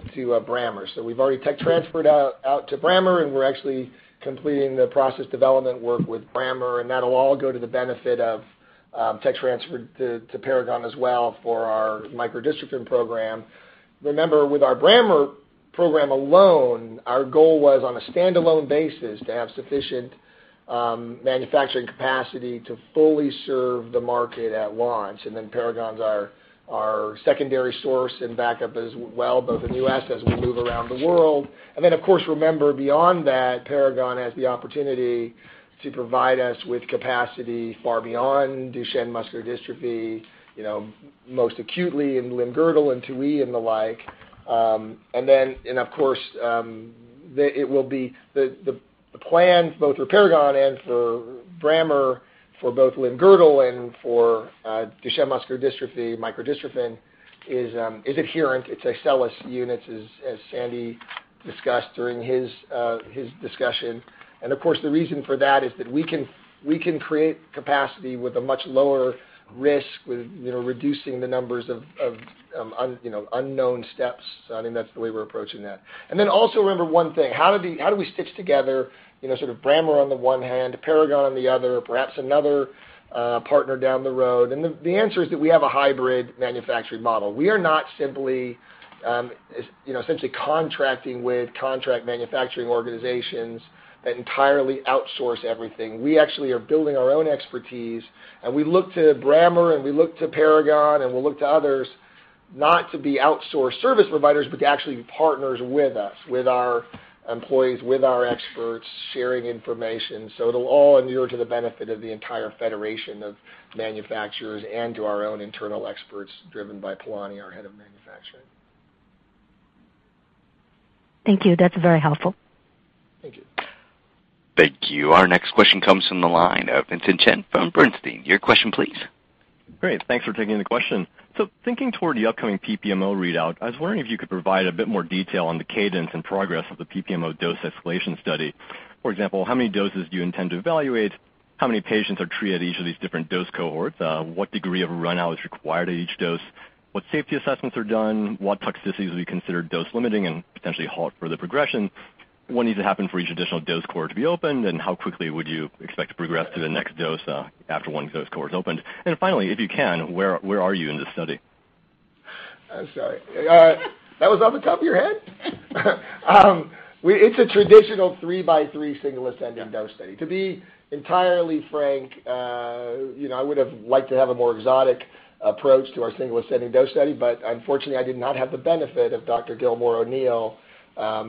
Brammer. We've already tech transferred out to Brammer, and we're actually completing the process development work with Brammer, and that'll all go to the benefit of tech transfer to Paragon as well for our micro-dystrophin program. Remember, with our Brammer program alone, our goal was on a standalone basis to have sufficient manufacturing capacity to fully serve the market at launch. Paragon's our secondary source and backup as well, both in U.S. as we move around the world. Of course, remember, beyond that, Paragon has the opportunity to provide us with capacity far beyond Duchenne muscular dystrophy, most acutely in limb-girdle and 2E and the like. Of course, the plan both for Paragon and for Brammer for both limb-girdle and for Duchenne muscular dystrophy, micro-dystrophin is adherent. It's iCELLis units as Sandy discussed during his discussion. Of course, the reason for that is that we can create capacity with a much lower risk with reducing the numbers of unknown steps. I think that's the way we're approaching that. Also remember one thing, how do we stitch together sort of Brammer on the one hand, Paragon on the other, perhaps another partner down the road? The answer is that we have a hybrid manufacturing model. We are not simply essentially contracting with contract manufacturing organizations that entirely outsource everything. We actually are building our own expertise, and we look to Brammer, and we look to Paragon, and we look to others not to be outsourced service providers, but to actually be partners with us, with our employees, with our experts sharing information. It'll all inure to the benefit of the entire federation of manufacturers and to our own internal experts driven by Bill, our head of manufacturing. Thank you. That's very helpful. Thank you. Thank you. Our next question comes from the line of Vincent Chen from Bernstein. Your question, please. Great. Thanks for taking the question. Thinking toward the upcoming PPMO readout, I was wondering if you could provide a bit more detail on the cadence and progress of the PPMO dose escalation study. For example, how many doses do you intend to evaluate? How many patients are treated at each of these different dose cohorts? What degree of run-out is required at each dose? What safety assessments are done? What toxicities will be considered dose limiting and potentially halt further progression? What needs to happen for each additional dose cohort to be opened, and how quickly would you expect to progress to the next dose after one dose cohort is opened? Finally, if you can, where are you in this study? I'm sorry. That was off the top of your head? It's a traditional 3-by-3 single ascending dose study. To be entirely frank, I would've liked to have a more exotic approach to our single ascending dose study, but unfortunately, I did not have the benefit of Dr. Gilmore O'Neill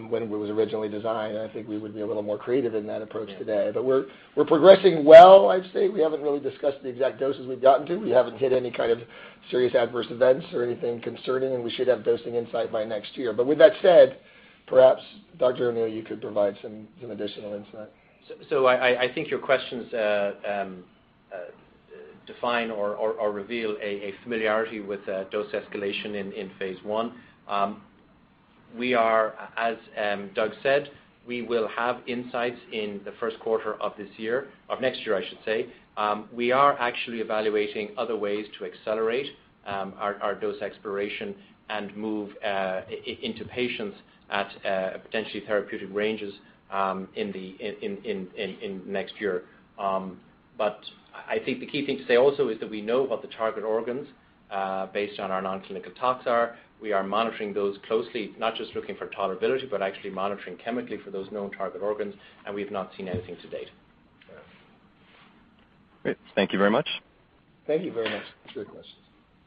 when it was originally designed. I think we would be a little more creative in that approach today. We're progressing well, I'd say. We haven't really discussed the exact doses we've gotten to. We haven't hit any kind of serious adverse events or anything concerning, and we should have dosing insight by next year. With that said, perhaps, Dr. O'Neill, you could provide some additional insight. I think your questions define or reveal a familiarity with dose escalation in phase I. As Doug said, we will have insights in the first quarter of next year, I should say. We are actually evaluating other ways to accelerate our dose exploration and move into patients at potentially therapeutic ranges in next year. I think the key thing to say also is that we know what the target organs, based on our non-clinical tox are. We are monitoring those closely, not just looking for tolerability, but actually monitoring chemically for those known target organs, and we've not seen anything to date. Great. Thank you very much. Thank you very much. Good questions.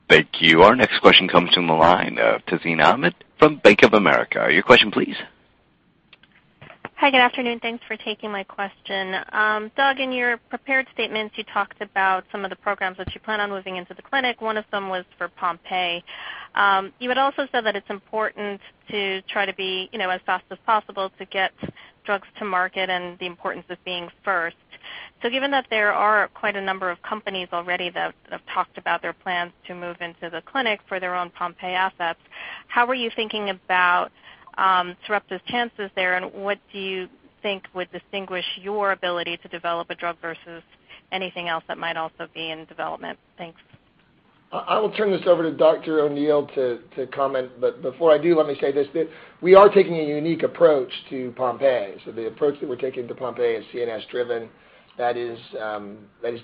Thank you. Our next question comes from the line of Tazeen Ahmad from Bank of America. Your question, please. Hi, good afternoon. Thanks for taking my question. Doug, in your prepared statements, you talked about some of the programs that you plan on moving into the clinic. One of them was for Pompe disease. You had also said that it's important to try to be as fast as possible to get drugs to market and the importance of being first. Given that there are quite a number of companies already that have talked about their plans to move into the clinic for their own Pompe disease assets, how are you thinking about Sarepta's chances there, and what do you think would distinguish your ability to develop a drug versus anything else that might also be in development? Thanks. I will turn this over to Dr. O'Neill to comment. Before I do, let me say this. We are taking a unique approach to Pompe disease. The approach that we're taking to Pompe disease is CNS driven. That is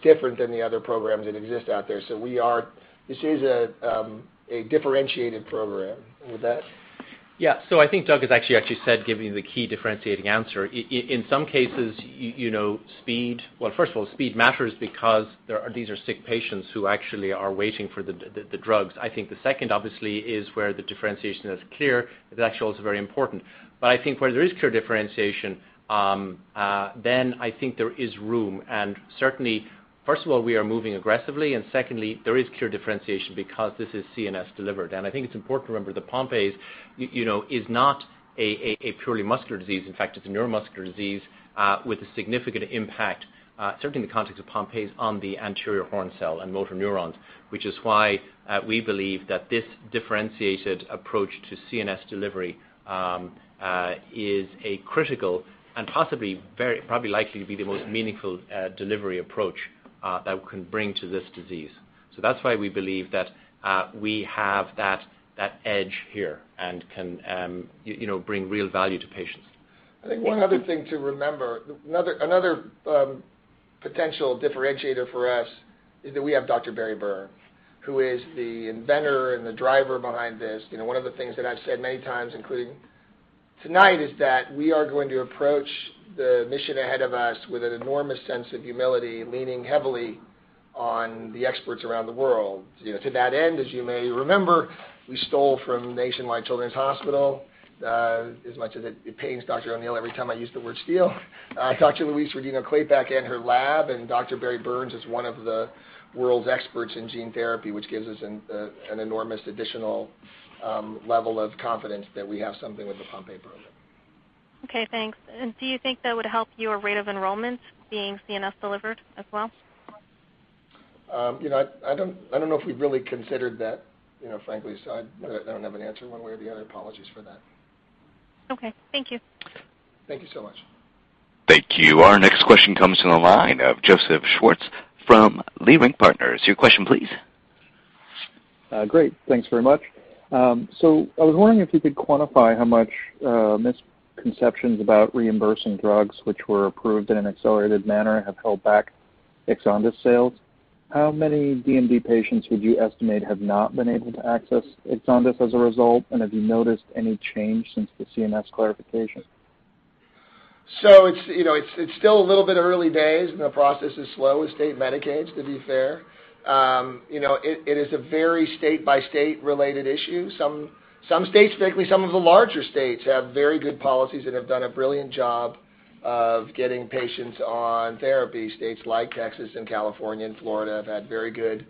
different than the other programs that exist out there. This is a differentiated program with that. I think Doug has actually said, given the key differentiating answer. In some cases, speed. First of all, speed matters because these are sick patients who actually are waiting for the drugs. I think the second, obviously, is where the differentiation is clear. It actually is very important. I think where there is clear differentiation, then I think there is room. Certainly, first of all, we are moving aggressively, and secondly, there is clear differentiation because this is CNS delivered. I think it's important to remember that Pompe disease is not a purely muscular disease. In fact, it's a neuromuscular disease with a significant impact, certainly in the context of Pompe disease, on the anterior horn cell and motor neurons, which is why we believe that this differentiated approach to CNS delivery is a critical and possibly very, probably likely to be the most meaningful delivery approach that we can bring to this disease. That's why we believe that we have that edge here and can bring real value to patients. I think one other thing to remember, another potential differentiator for us is that we have Dr. Barry Byrne, who is the inventor and the driver behind this. One of the things that I've said many times, including tonight, is that we are going to approach the mission ahead of us with an enormous sense of humility, leaning heavily on the experts around the world. To that end, as you may remember, we stole from Nationwide Children's Hospital. As much as it pains Dr. O'Neill every time I use the word steal, Dr. Louise Rodino-Klapac in her lab, and Dr. Barry Byrne is one of the world's experts in gene therapy, which gives us an enormous additional level of confidence that we have something with the Pompe program. Okay, thanks. Do you think that would help your rate of enrollments being CNS delivered as well? I don't know if we've really considered that, frankly. I don't have an answer one way or the other. Apologies for that. Okay. Thank you. Thank you so much. Thank you. Our next question comes from the line of Joseph Schwartz from Leerink Partners. Your question, please. Great. Thanks very much. I was wondering if you could quantify how much misconceptions about reimbursing drugs which were approved in an accelerated manner have held back EXONDYS sales. How many DMD patients would you estimate have not been able to access EXONDYS as a result, and have you noticed any change since the CMS clarification? It's still a little bit early days, and the process is slow with state Medicaid, to be fair. It is a very state-by-state related issue. Some states, frankly, some of the larger states, have very good policies and have done a brilliant job of getting patients on therapy. States like Texas and California and Florida have had very good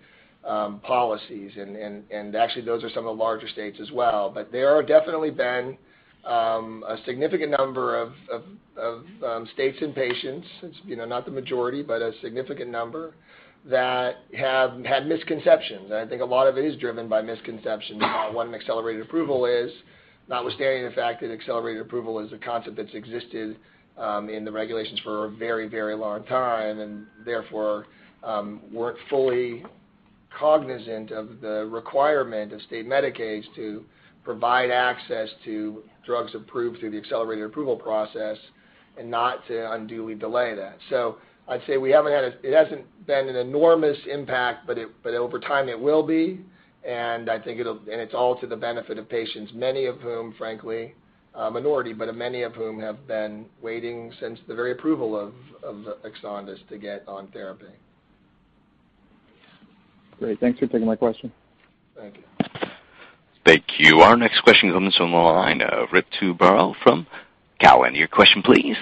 policies. Actually, those are some of the larger states as well. There are definitely been a significant number of states and patients, not the majority, but a significant number, that have had misconceptions. I think a lot of it is driven by misconceptions on what an Accelerated Approval is, notwithstanding the fact that Accelerated Approval is a concept that's existed in the regulations for a very long time, and therefore weren't fully cognizant of the requirement of state Medicaid to provide access to drugs approved through the Accelerated Approval process. Not to unduly delay that. I'd say it hasn't been an enormous impact, but over time it will be, and it's all to the benefit of patients, many of whom, frankly, a minority, but many of whom have been waiting since the very approval of EXONDYS to get on therapy. Great. Thanks for taking my question. Thank you. Thank you. Our next question comes from the line of Ritu Baral from Cowen. Your question, please.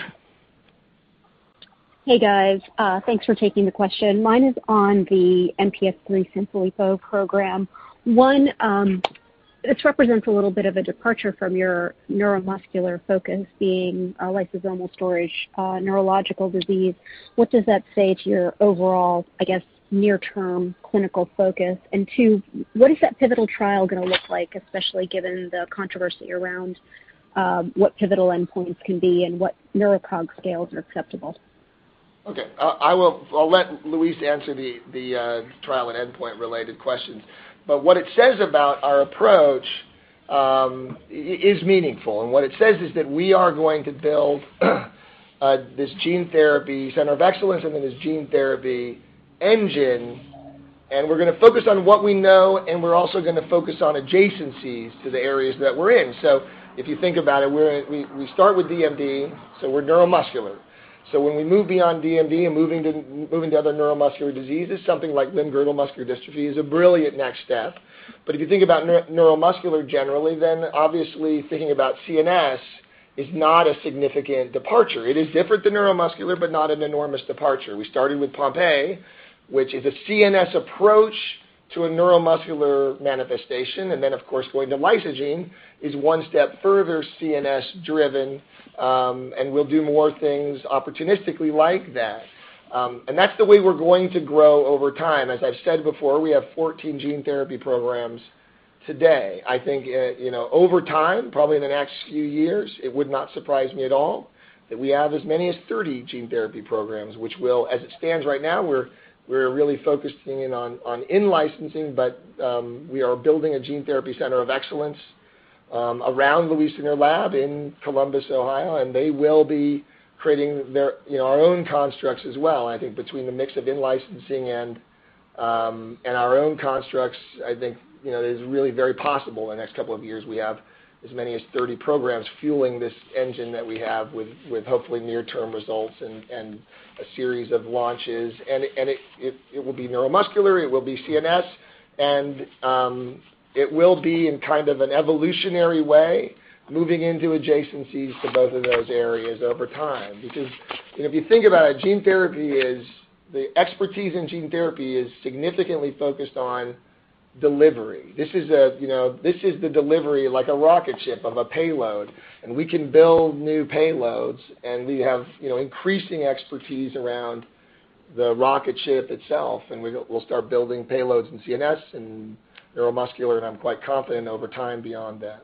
Hey, guys. Thanks for taking the question. Mine is on the MPS III Sanfilippo program. One, this represents a little bit of a departure from your neuromuscular focus being a lysosomal storage neurological disease. What does that say to your overall, I guess, near-term clinical focus? 2, what is that pivotal trial going to look like, especially given the controversy around what pivotal endpoints can be and what neuroprog scales are acceptable? Okay. I'll let Louise answer the trial and endpoint-related questions. What it says about our approach is meaningful. What it says is that we are going to build this gene therapy center of excellence and then this gene therapy engine, and we're going to focus on what we know, and we're also going to focus on adjacencies to the areas that we're in. If you think about it, we start with DMD, so we're neuromuscular. When we move beyond DMD and moving to other neuromuscular diseases, something like limb-girdle muscular dystrophy is a brilliant next step. If you think about neuromuscular generally, then obviously thinking about CNS is not a significant departure. It is different than neuromuscular, but not an enormous departure. We started with Pompe, which is a CNS approach to a neuromuscular manifestation, then, of course, going to Lysogene is 1 step further CNS driven. We'll do more things opportunistically like that. That's the way we're going to grow over time. As I've said before, we have 14 gene therapy programs today. I think, over time, probably in the next few years, it would not surprise me at all that we have as many as 30 gene therapy programs. As it stands right now, we're really focusing in on in-licensing, but we are building a gene therapy center of excellence around Louise's lab in Columbus, Ohio, and they will be creating our own constructs as well. I think between the mix of in-licensing and our own constructs, I think, it is really very possible in the next couple of years we have as many as 30 programs fueling this engine that we have with hopefully near-term results and a series of launches. It will be neuromuscular, it will be CNS, and it will be in kind of an evolutionary way, moving into adjacencies to both of those areas over time. Because if you think about it, the expertise in gene therapy is significantly focused on delivery. This is the delivery, like a rocket ship of a payload, and we can build new payloads, and we have increasing expertise around the rocket ship itself, and we'll start building payloads in CNS and neuromuscular, and I'm quite confident over time beyond that.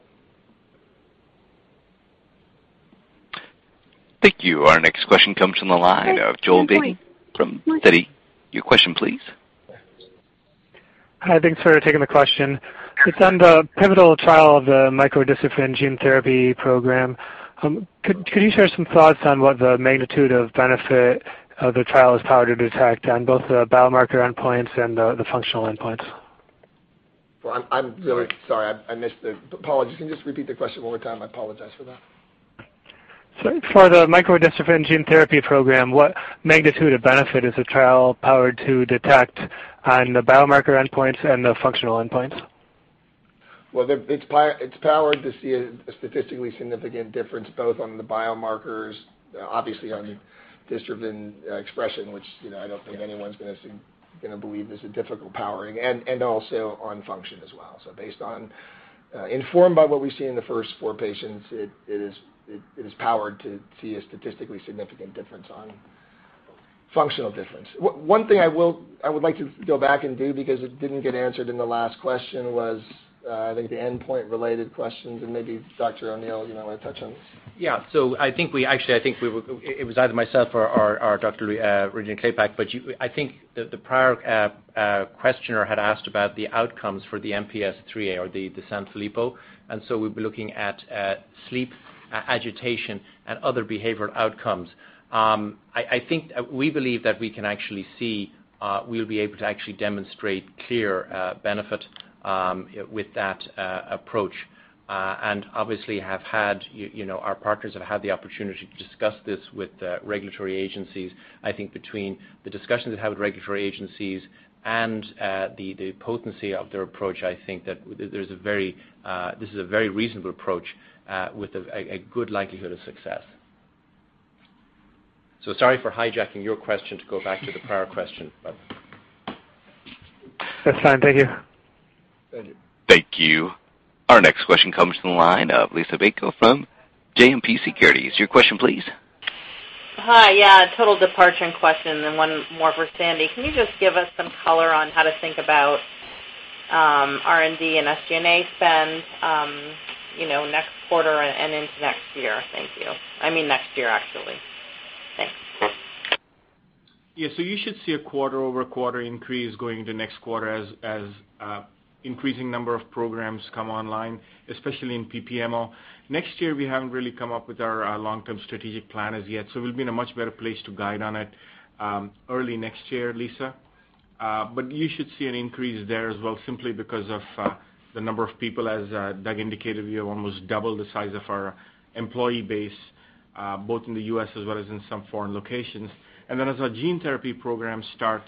Thank you. Our next question comes from the line of Joel Beatty from Stifel. Your question, please. Hi, thanks for taking the question. It's on the pivotal trial of the micro-dystrophin gene therapy program. Could you share some thoughts on what the magnitude of benefit of the trial is powered to detect on both the biomarker endpoints and the functional endpoints? Well, I'm really sorry. I missed it. Paul, you can just repeat the question one more time? I apologize for that. Sorry. For the micro-dystrophin gene therapy program, what magnitude of benefit is the trial powered to detect on the biomarker endpoints and the functional endpoints? Well, it's powered to see a statistically significant difference both on the biomarkers, obviously on dystrophin expression, which I don't think anyone's going to believe is a difficult powering, and also on function as well. Based on, informed by what we see in the first four patients, it is powered to see a statistically significant difference on functional difference. One thing I would like to go back and do, because it didn't get answered in the last question was, I think the endpoint related questions, and maybe Dr. Gilmore O'Neill might touch on this. Yeah. Actually, I think it was either myself or Dr. Louise Rodino-Klapac, but I think the prior questioner had asked about the outcomes for the MPS IIIA or the Sanfilippo, and so we'd be looking at sleep, agitation, and other behavioral outcomes. We believe that we can actually see, we'll be able to actually demonstrate clear benefit with that approach. Obviously our partners have had the opportunity to discuss this with regulatory agencies. I think between the discussions they have with regulatory agencies and the potency of their approach, I think that this is a very reasonable approach with a good likelihood of success. Sorry for hijacking your question to go back to the prior question. That's fine. Thank you. Thank you. Thank you. Our next question comes from the line of Liisa Bayko from JMP Securities. Your question, please. Hi. Yeah, a total departure in question, then one more for Sandy. Can you just give us some color on how to think about R&D and SG&A spend next quarter and into next year? Thank you. I mean next year, actually. Thanks. Yes. You should see a quarter-over-quarter increase going into next quarter as increasing number of programs come online, especially in PPMO. Next year, we haven't really come up with our long-term strategic plan as yet, we'll be in a much better place to guide on it early next year, Liisa. You should see an increase there as well simply because of the number of people, as Doug indicated, we have almost double the size of our employee base, both in the U.S. as well as in some foreign locations. Then as our gene therapy programs start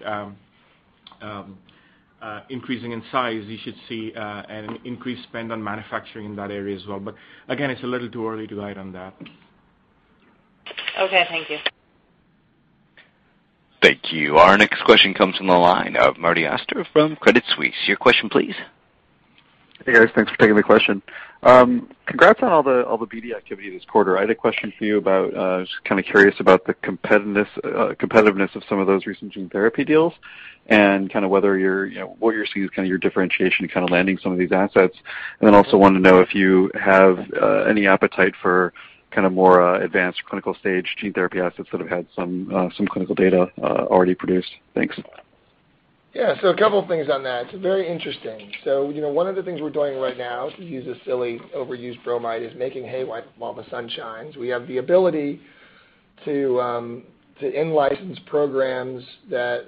increasing in size, you should see an increased spend on manufacturing in that area as well. Again, it's a little too early to guide on that. Okay, thank you. Thank you. Our next question comes from the line of Martin Auster from Credit Suisse. Your question, please. Hey, guys. Thanks for taking my question. Congrats on all the BD activity this quarter. I had a question for you about, I was just curious about the competitiveness of some of those recent gene therapy deals and what you see as your differentiation landing some of these assets. Also wanted to know if you have any appetite for more advanced clinical stage gene therapy assets that have had some clinical data already produced. Thanks. Yeah. A couple things on that. Very interesting. One of the things we're doing right now, to use a silly overused bromide, is making hay while the sun shines. We have the ability to in-license programs that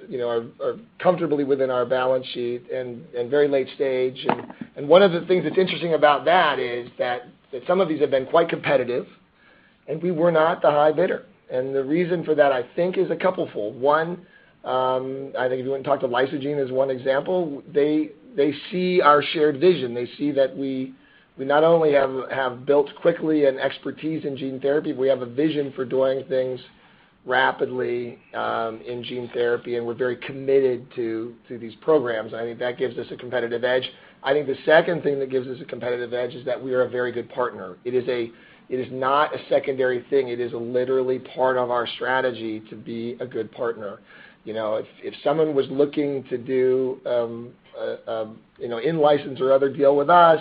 are comfortably within our balance sheet and very late stage. One of the things that's interesting about that is that some of these have been quite competitive, and we were not the high bidder. The reason for that, I think, is a couple fold. One, I think if you want to talk to Lysogene as one example, they see our shared vision. They see that we not only have built quickly an expertise in gene therapy, we have a vision for doing things rapidly, in gene therapy, and we're very committed to these programs. I think that gives us a competitive edge. I think the second thing that gives us a competitive edge is that we are a very good partner. It is not a secondary thing. It is literally part of our strategy to be a good partner. If someone was looking to do an in-license or other deal with us,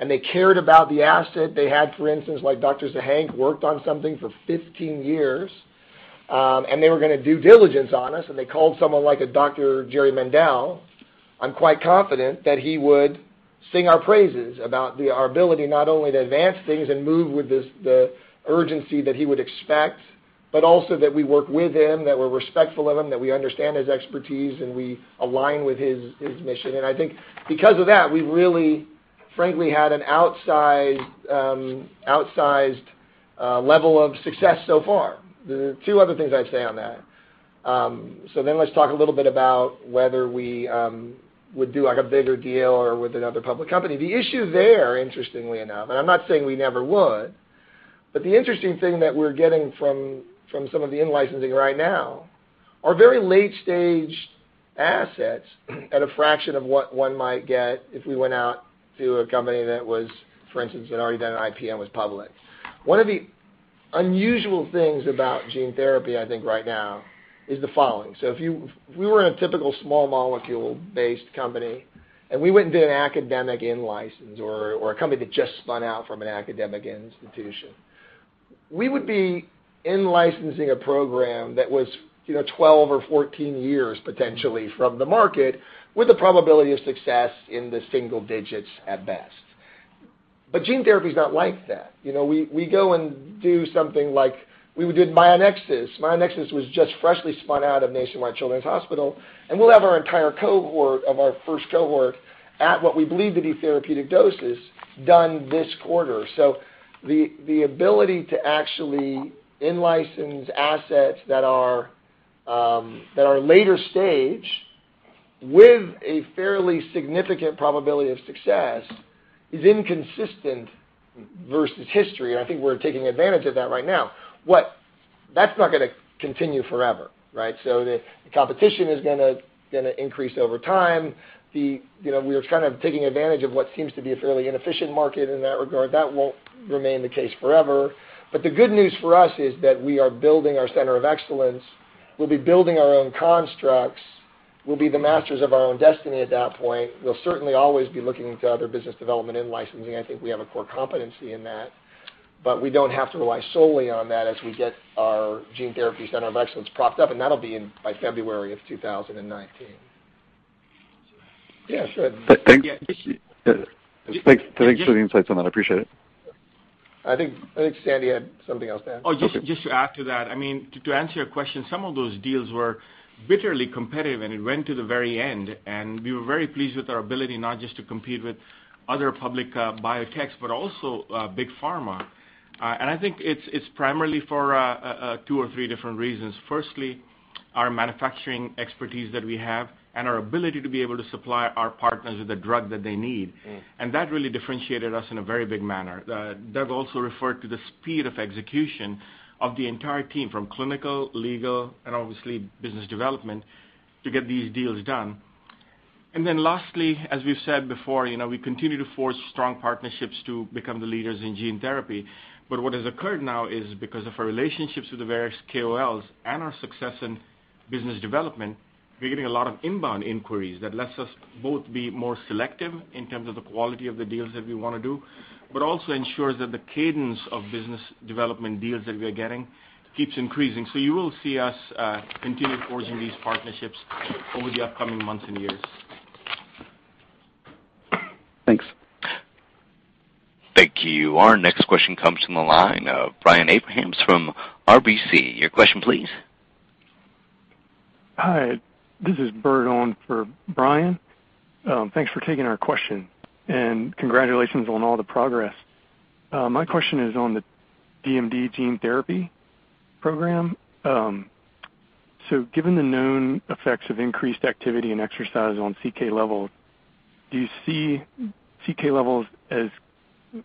and they cared about the asset they had, for instance, like Dr. Sahenk worked on something for 15 years, and they were going to due diligence on us, and they called someone like a Dr. Jerry Mendell, I'm quite confident that he would sing our praises about our ability not only to advance things and move with the urgency that he would expect, but also that we work with him, that we're respectful of him, that we understand his expertise, and we align with his mission. I think because of that, we really, frankly, had an outsized level of success so far. There are two other things I'd say on that. Let's talk a little bit about whether we would do a bigger deal or with another public company. The issue there, interestingly enough, and I'm not saying we never would, but the interesting thing that we're getting from some of the in-licensing right now are very late-stage assets at a fraction of what one might get if we went out to a company that was, for instance, had already done an IPO, was public. One of the unusual things about gene therapy, I think right now is the following. If we were in a typical small molecule-based company and we went and did an academic in-license or a company that just spun out from an academic institution, we would be in-licensing a program that was 12 or 14 years potentially from the market with the probability of success in the single digits at best. Gene therapy is not like that. We go and do something like we did Myonexus. Myonexus was just freshly spun out of Nationwide Children's Hospital, and we'll have our entire cohort of our first cohort at what we believe to be therapeutic doses done this quarter. The ability to actually in-license assets that are later stage with a fairly significant probability of success is inconsistent versus history, and I think we're taking advantage of that right now. That's not going to continue forever, right? The competition is going to increase over time. We're kind of taking advantage of what seems to be a fairly inefficient market in that regard. That won't remain the case forever. The good news for us is that we are building our center of excellence. We'll be building our own constructs. We'll be the masters of our own destiny at that point. We'll certainly always be looking to other business development in-licensing. I think we have a core competency in that. We don't have to rely solely on that as we get our gene therapy center of excellence propped up, and that'll be by February of 2019. Yeah, sure. Thanks for the insights on that. Appreciate it. I think Sandy had something else to add. Just to add to that, to answer your question, some of those deals were bitterly competitive, and it went to the very end, and we were very pleased with our ability not just to compete with other public biotechs but also Big Pharma. I think it's primarily for two or three different reasons. Firstly, our manufacturing expertise that we have and our ability to be able to supply our partners with the drug that they need. That really differentiated us in a very big manner. Doug also referred to the speed of execution of the entire team from clinical, legal, and obviously business development to get these deals done. Lastly, as we've said before, we continue to forge strong partnerships to become the leaders in gene therapy. What has occurred now is because of our relationships with the various KOLs and our success in business development, we're getting a lot of inbound inquiries that lets us both be more selective in terms of the quality of the deals that we want to do, but also ensures that the cadence of business development deals that we are getting keeps increasing. You will see us continue forging these partnerships over the upcoming months and years. Thanks. Thank you. Our next question comes from the line of Brian Abrahams from RBC. Your question, please. Hi, this is Bert on for Brian. Thanks for taking our question, and congratulations on all the progress. My question is on the DMD gene therapy program. Given the known effects of increased activity and exercise on CK levels, do you see CK levels as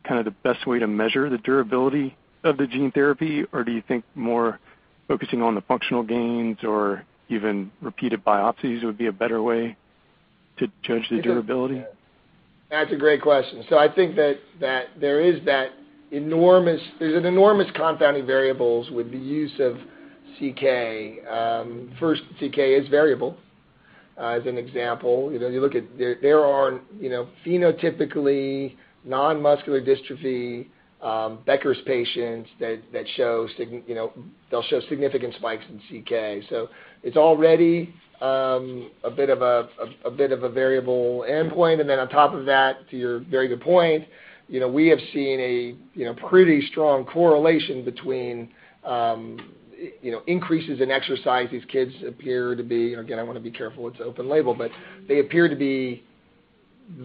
kind of the best way to measure the durability of the gene therapy? Do you think more focusing on the functional gains or even repeated biopsies would be a better way to judge the durability? That's a great question. I think that there's an enormous confounding variables with the use of CK. First, CK is variable. As an example, you look at, there are phenotypically non-muscular dystrophy Becker's patients that show significant spikes in CK. It's already a bit of a variable endpoint. On top of that, to your very good point, we have seen a pretty strong correlation between increases in exercise. These kids appear to be, and again, I want to be careful, it's open label, but they appear to be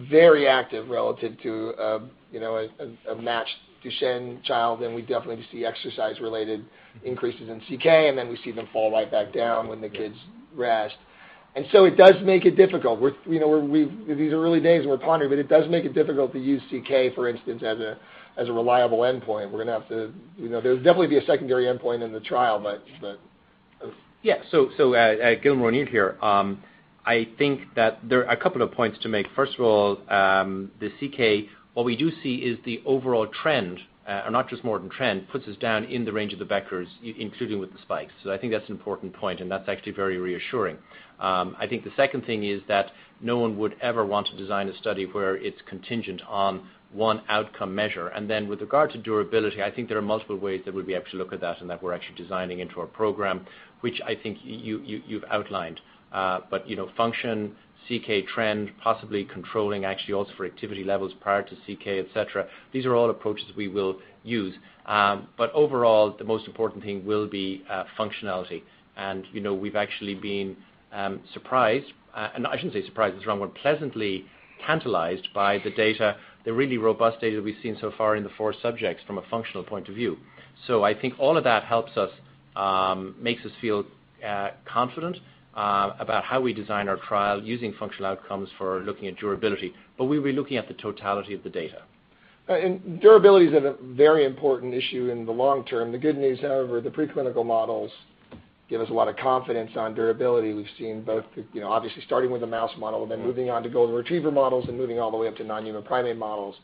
very active relative to a matched Duchenne child. We definitely see exercise-related increases in CK, and then we see them fall right back down when the kids rest. It does make it difficult. These are early days, and we're pondering, but it does make it difficult to use CK, for instance, as a reliable endpoint. There'll definitely be a secondary endpoint in the trial, but Yeah. Gilmore O'Neill here. I think that there are a couple of points to make. First of all, the CK, what we do see is the overall trend, and not just more than trend, puts us down in the range of the Beckers, including with the spikes. I think that's an important point, and that's actually very reassuring. I think the second thing is that no one would ever want to design a study where it's contingent on one outcome measure. With regard to durability, I think there are multiple ways that we'd be able to look at that and that we're actually designing into our program, which I think you've outlined. Function, CK trend, possibly controlling actually also for activity levels prior to CK, et cetera, these are all approaches we will use. Overall, the most important thing will be functionality. We've actually been surprised, and I shouldn't say surprised, that's the wrong word, pleasantly tantalized by the data, the really robust data we've seen so far in the four subjects from a functional point of view. I think all of that helps us, makes us feel confident about how we design our trial using functional outcomes for looking at durability, but we'll be looking at the totality of the data. Durability is a very important issue in the long term. The good news, however, the preclinical models give us a lot of confidence on durability. We've seen both, obviously starting with the mouse model, then moving on to Golden Retriever models, and moving all the way up to non-human primate models.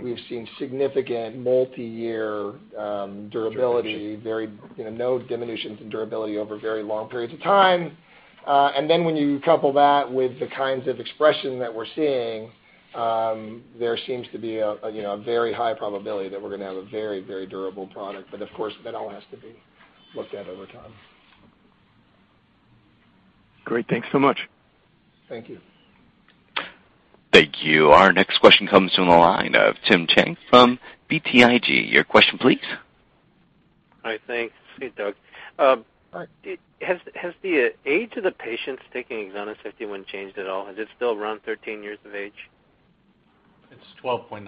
We've seen significant multi-year durability. Durability. No diminutions in durability over very long periods of time. Then when you couple that with the kinds of expression that we're seeing, there seems to be a very high probability that we're going to have a very, very durable product. Of course, that all has to be looked at over time. Great. Thanks so much. Thank you. Thank you. Our next question comes from the line of Tim Chen from BTIG. Your question, please. Hi. Thanks. Hey, Doug. Hi. Has the age of the patients taking EXONDYS 51 changed at all? Is it still around 13 years of age? It's 12.9.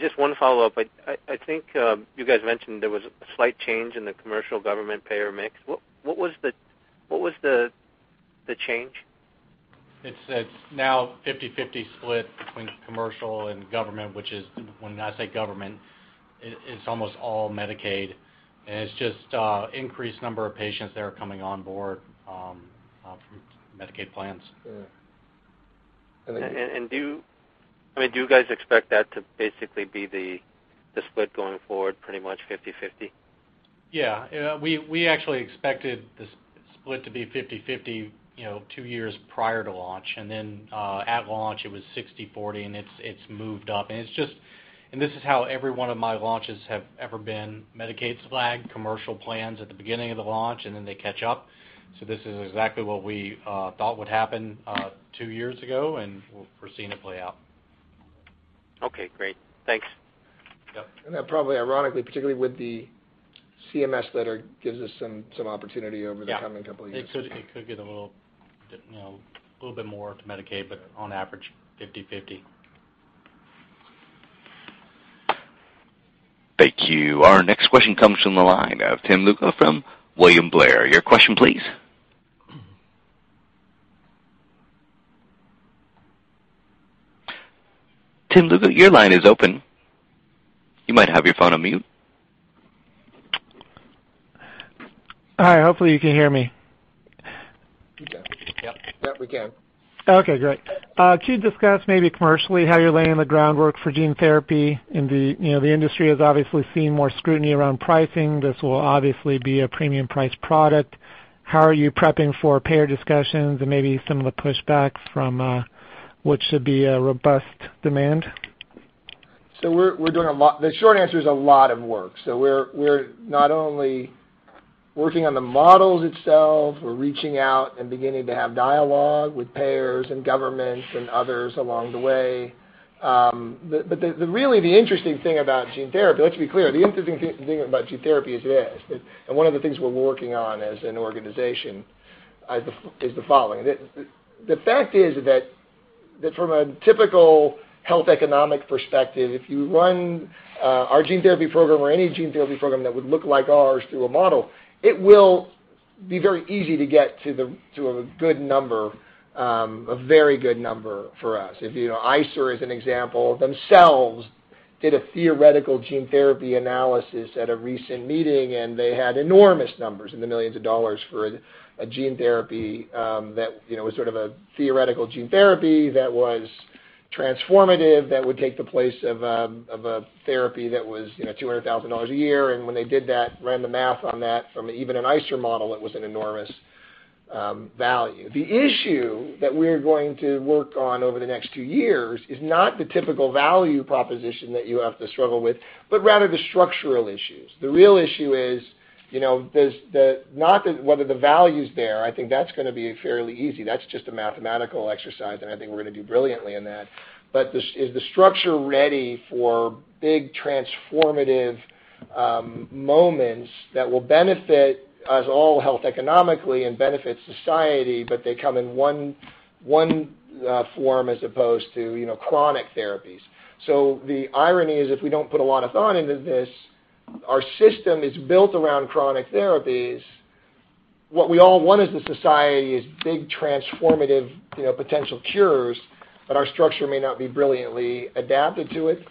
Just one follow-up. I think you guys mentioned there was a slight change in the commercial government payer mix. What was the change? It's now 50/50 split between commercial and government, which is when I say government, it's almost all Medicaid, and it's just increased number of patients that are coming on board from Medicaid plans. Yeah. Do you guys expect that to basically be the split going forward pretty much 50/50? Yeah. We actually expected the split to be 50/50 two years prior to launch, then at launch it was 60/40, and it's moved up. This is how every one of my launches have ever been. Medicaid's lag, commercial plans at the beginning of the launch, then they catch up. This is exactly what we thought would happen two years ago, and we're seeing it play out. Okay, great. Thanks. Yep. Probably ironically, particularly with the CMS letter, gives us some opportunity over the coming couple years. Yeah. It could get a little bit more to Medicaid, but on average, 50/50. Thank you. Our next question comes from the line of Tim Lugo from William Blair. Your question, please. Tim Lugo, your line is open. You might have your phone on mute. Hi, hopefully you can hear me. You can. Yep. Yep, we can. Okay, great. Could you discuss maybe commercially how you're laying the groundwork for gene therapy? The industry has obviously seen more scrutiny around pricing. This will obviously be a premium price product. How are you prepping for payer discussions and maybe some of the pushbacks from what should be a robust demand? We're doing a lot. The short answer is a lot of work. We're not only working on the models itself, we're reaching out and beginning to have dialogue with payers and governments and others along the way. Really, the interesting thing about gene therapy, let's be clear, is, yeah, and one of the things we're working on as an organization is the following. The fact is that from a typical health economic perspective, if you run our gene therapy program or any gene therapy program that would look like ours through a model, it will be very easy to get to a good number, a very good number for us. ICER, as an example, themselves did a theoretical gene therapy analysis at a recent meeting, and they had enormous numbers in the millions of dollars for a gene therapy that was a theoretical gene therapy that was transformative, that would take the place of a therapy that was $200,000 a year. When they did that, ran the math on that from even an ICER model, it was an enormous value. The issue that we're going to work on over the next two years is not the typical value proposition that you have to struggle with, but rather the structural issues. The real issue is, not that whether the value's there. I think that's going to be fairly easy. That's just a mathematical exercise, I think we're going to do brilliantly in that. Is the structure ready for big transformative moments that will benefit us all health economically and benefit society, but they come in one form as opposed to chronic therapies. The irony is, if we don't put a lot of thought into this, our system is built around chronic therapies. What we all want as a society is big transformative potential cures, but our structure may not be brilliantly adapted to it.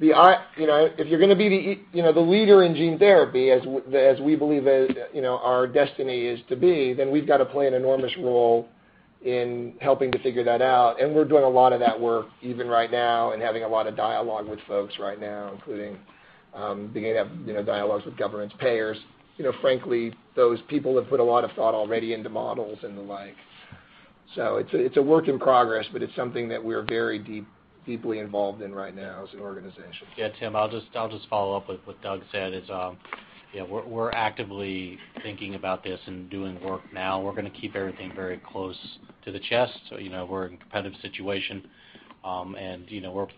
If you're going to be the leader in gene therapy as we believe our destiny is to be, we've got to play an enormous role in helping to figure that out, we're doing a lot of that work even right now and having a lot of dialogue with folks right now, including beginning to have dialogues with governments, payers. Frankly, those people have put a lot of thought already into models and the like. It's a work in progress, but it's something that we're very deeply involved in right now as an organization. Yeah, Tim, I'll just follow up with what Doug said is, we're actively thinking about this and doing work now. We're going to keep everything very close to the chest. We're in a competitive situation, and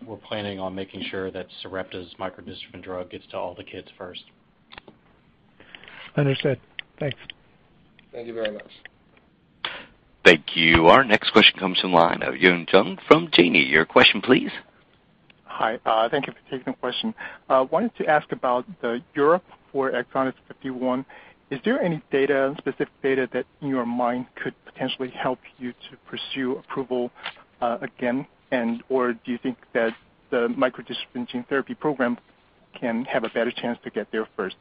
we're planning on making sure that Sarepta's micro-dystrophin drug gets to all the kids first. Understood. Thanks. Thank you very much. Thank you. Our next question comes from the line of Yanan Zhu from Guggenheim Securities. Your question please. Hi, thank you for taking the question. Wanted to ask about the Europe for EXONDYS 51. Is there any specific data that in your mind could potentially help you to pursue approval again? Do you think that the micro-dystrophin gene therapy program can have a better chance to get there first?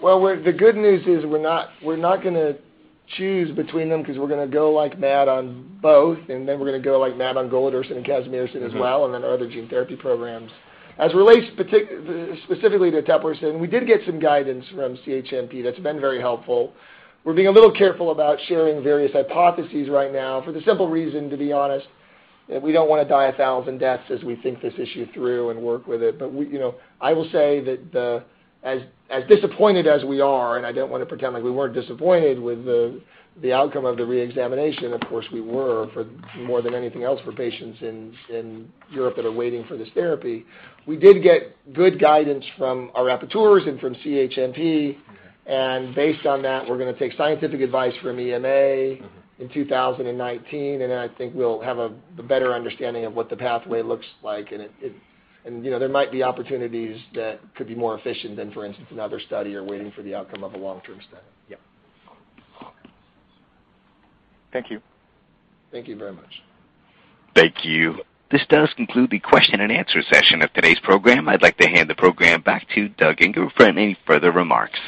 The good news is we're not gonna choose between them because we're going to go like mad on both, and then we're going to go like mad on golodirsen and casimersen as well, and then other gene therapy programs. As it relates specifically to eteplirsen, we did get some guidance from CHMP that's been very helpful. We're being a little careful about sharing various hypotheses right now for the simple reason, to be honest, that we don't want to die a thousand deaths as we think this issue through and work with it. I will say that as disappointed as we are, and I don't want to pretend like we weren't disappointed with the outcome of the re-examination. Of course, we were for more than anything else for patients in Europe that are waiting for this therapy. We did get good guidance from our rapporteurs and from CHMP. Based on that, we're going to take scientific advice from EMA in 2019. I think we'll have a better understanding of what the pathway looks like. There might be opportunities that could be more efficient than, for instance, another study or waiting for the outcome of a long-term study. Yep. Thank you. Thank you very much. Thank you. This does conclude the question and answer session of today's program. I'd like to hand the program back to Doug Ingram for any further remarks.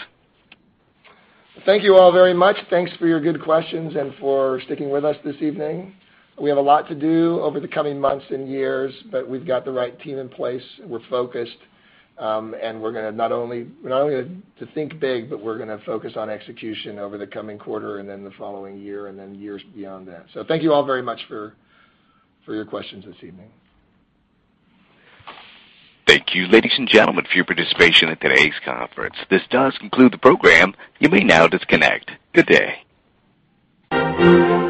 Thank you all very much. Thanks for your good questions and for sticking with us this evening. We have a lot to do over the coming months and years, but we've got the right team in place, and we're focused. We're going to not only to think big, but we're going to focus on execution over the coming quarter and then the following year and then years beyond that. Thank you all very much for your questions this evening. Thank you, ladies and gentlemen, for your participation in today's conference. This does conclude the program. You may now disconnect. Good day.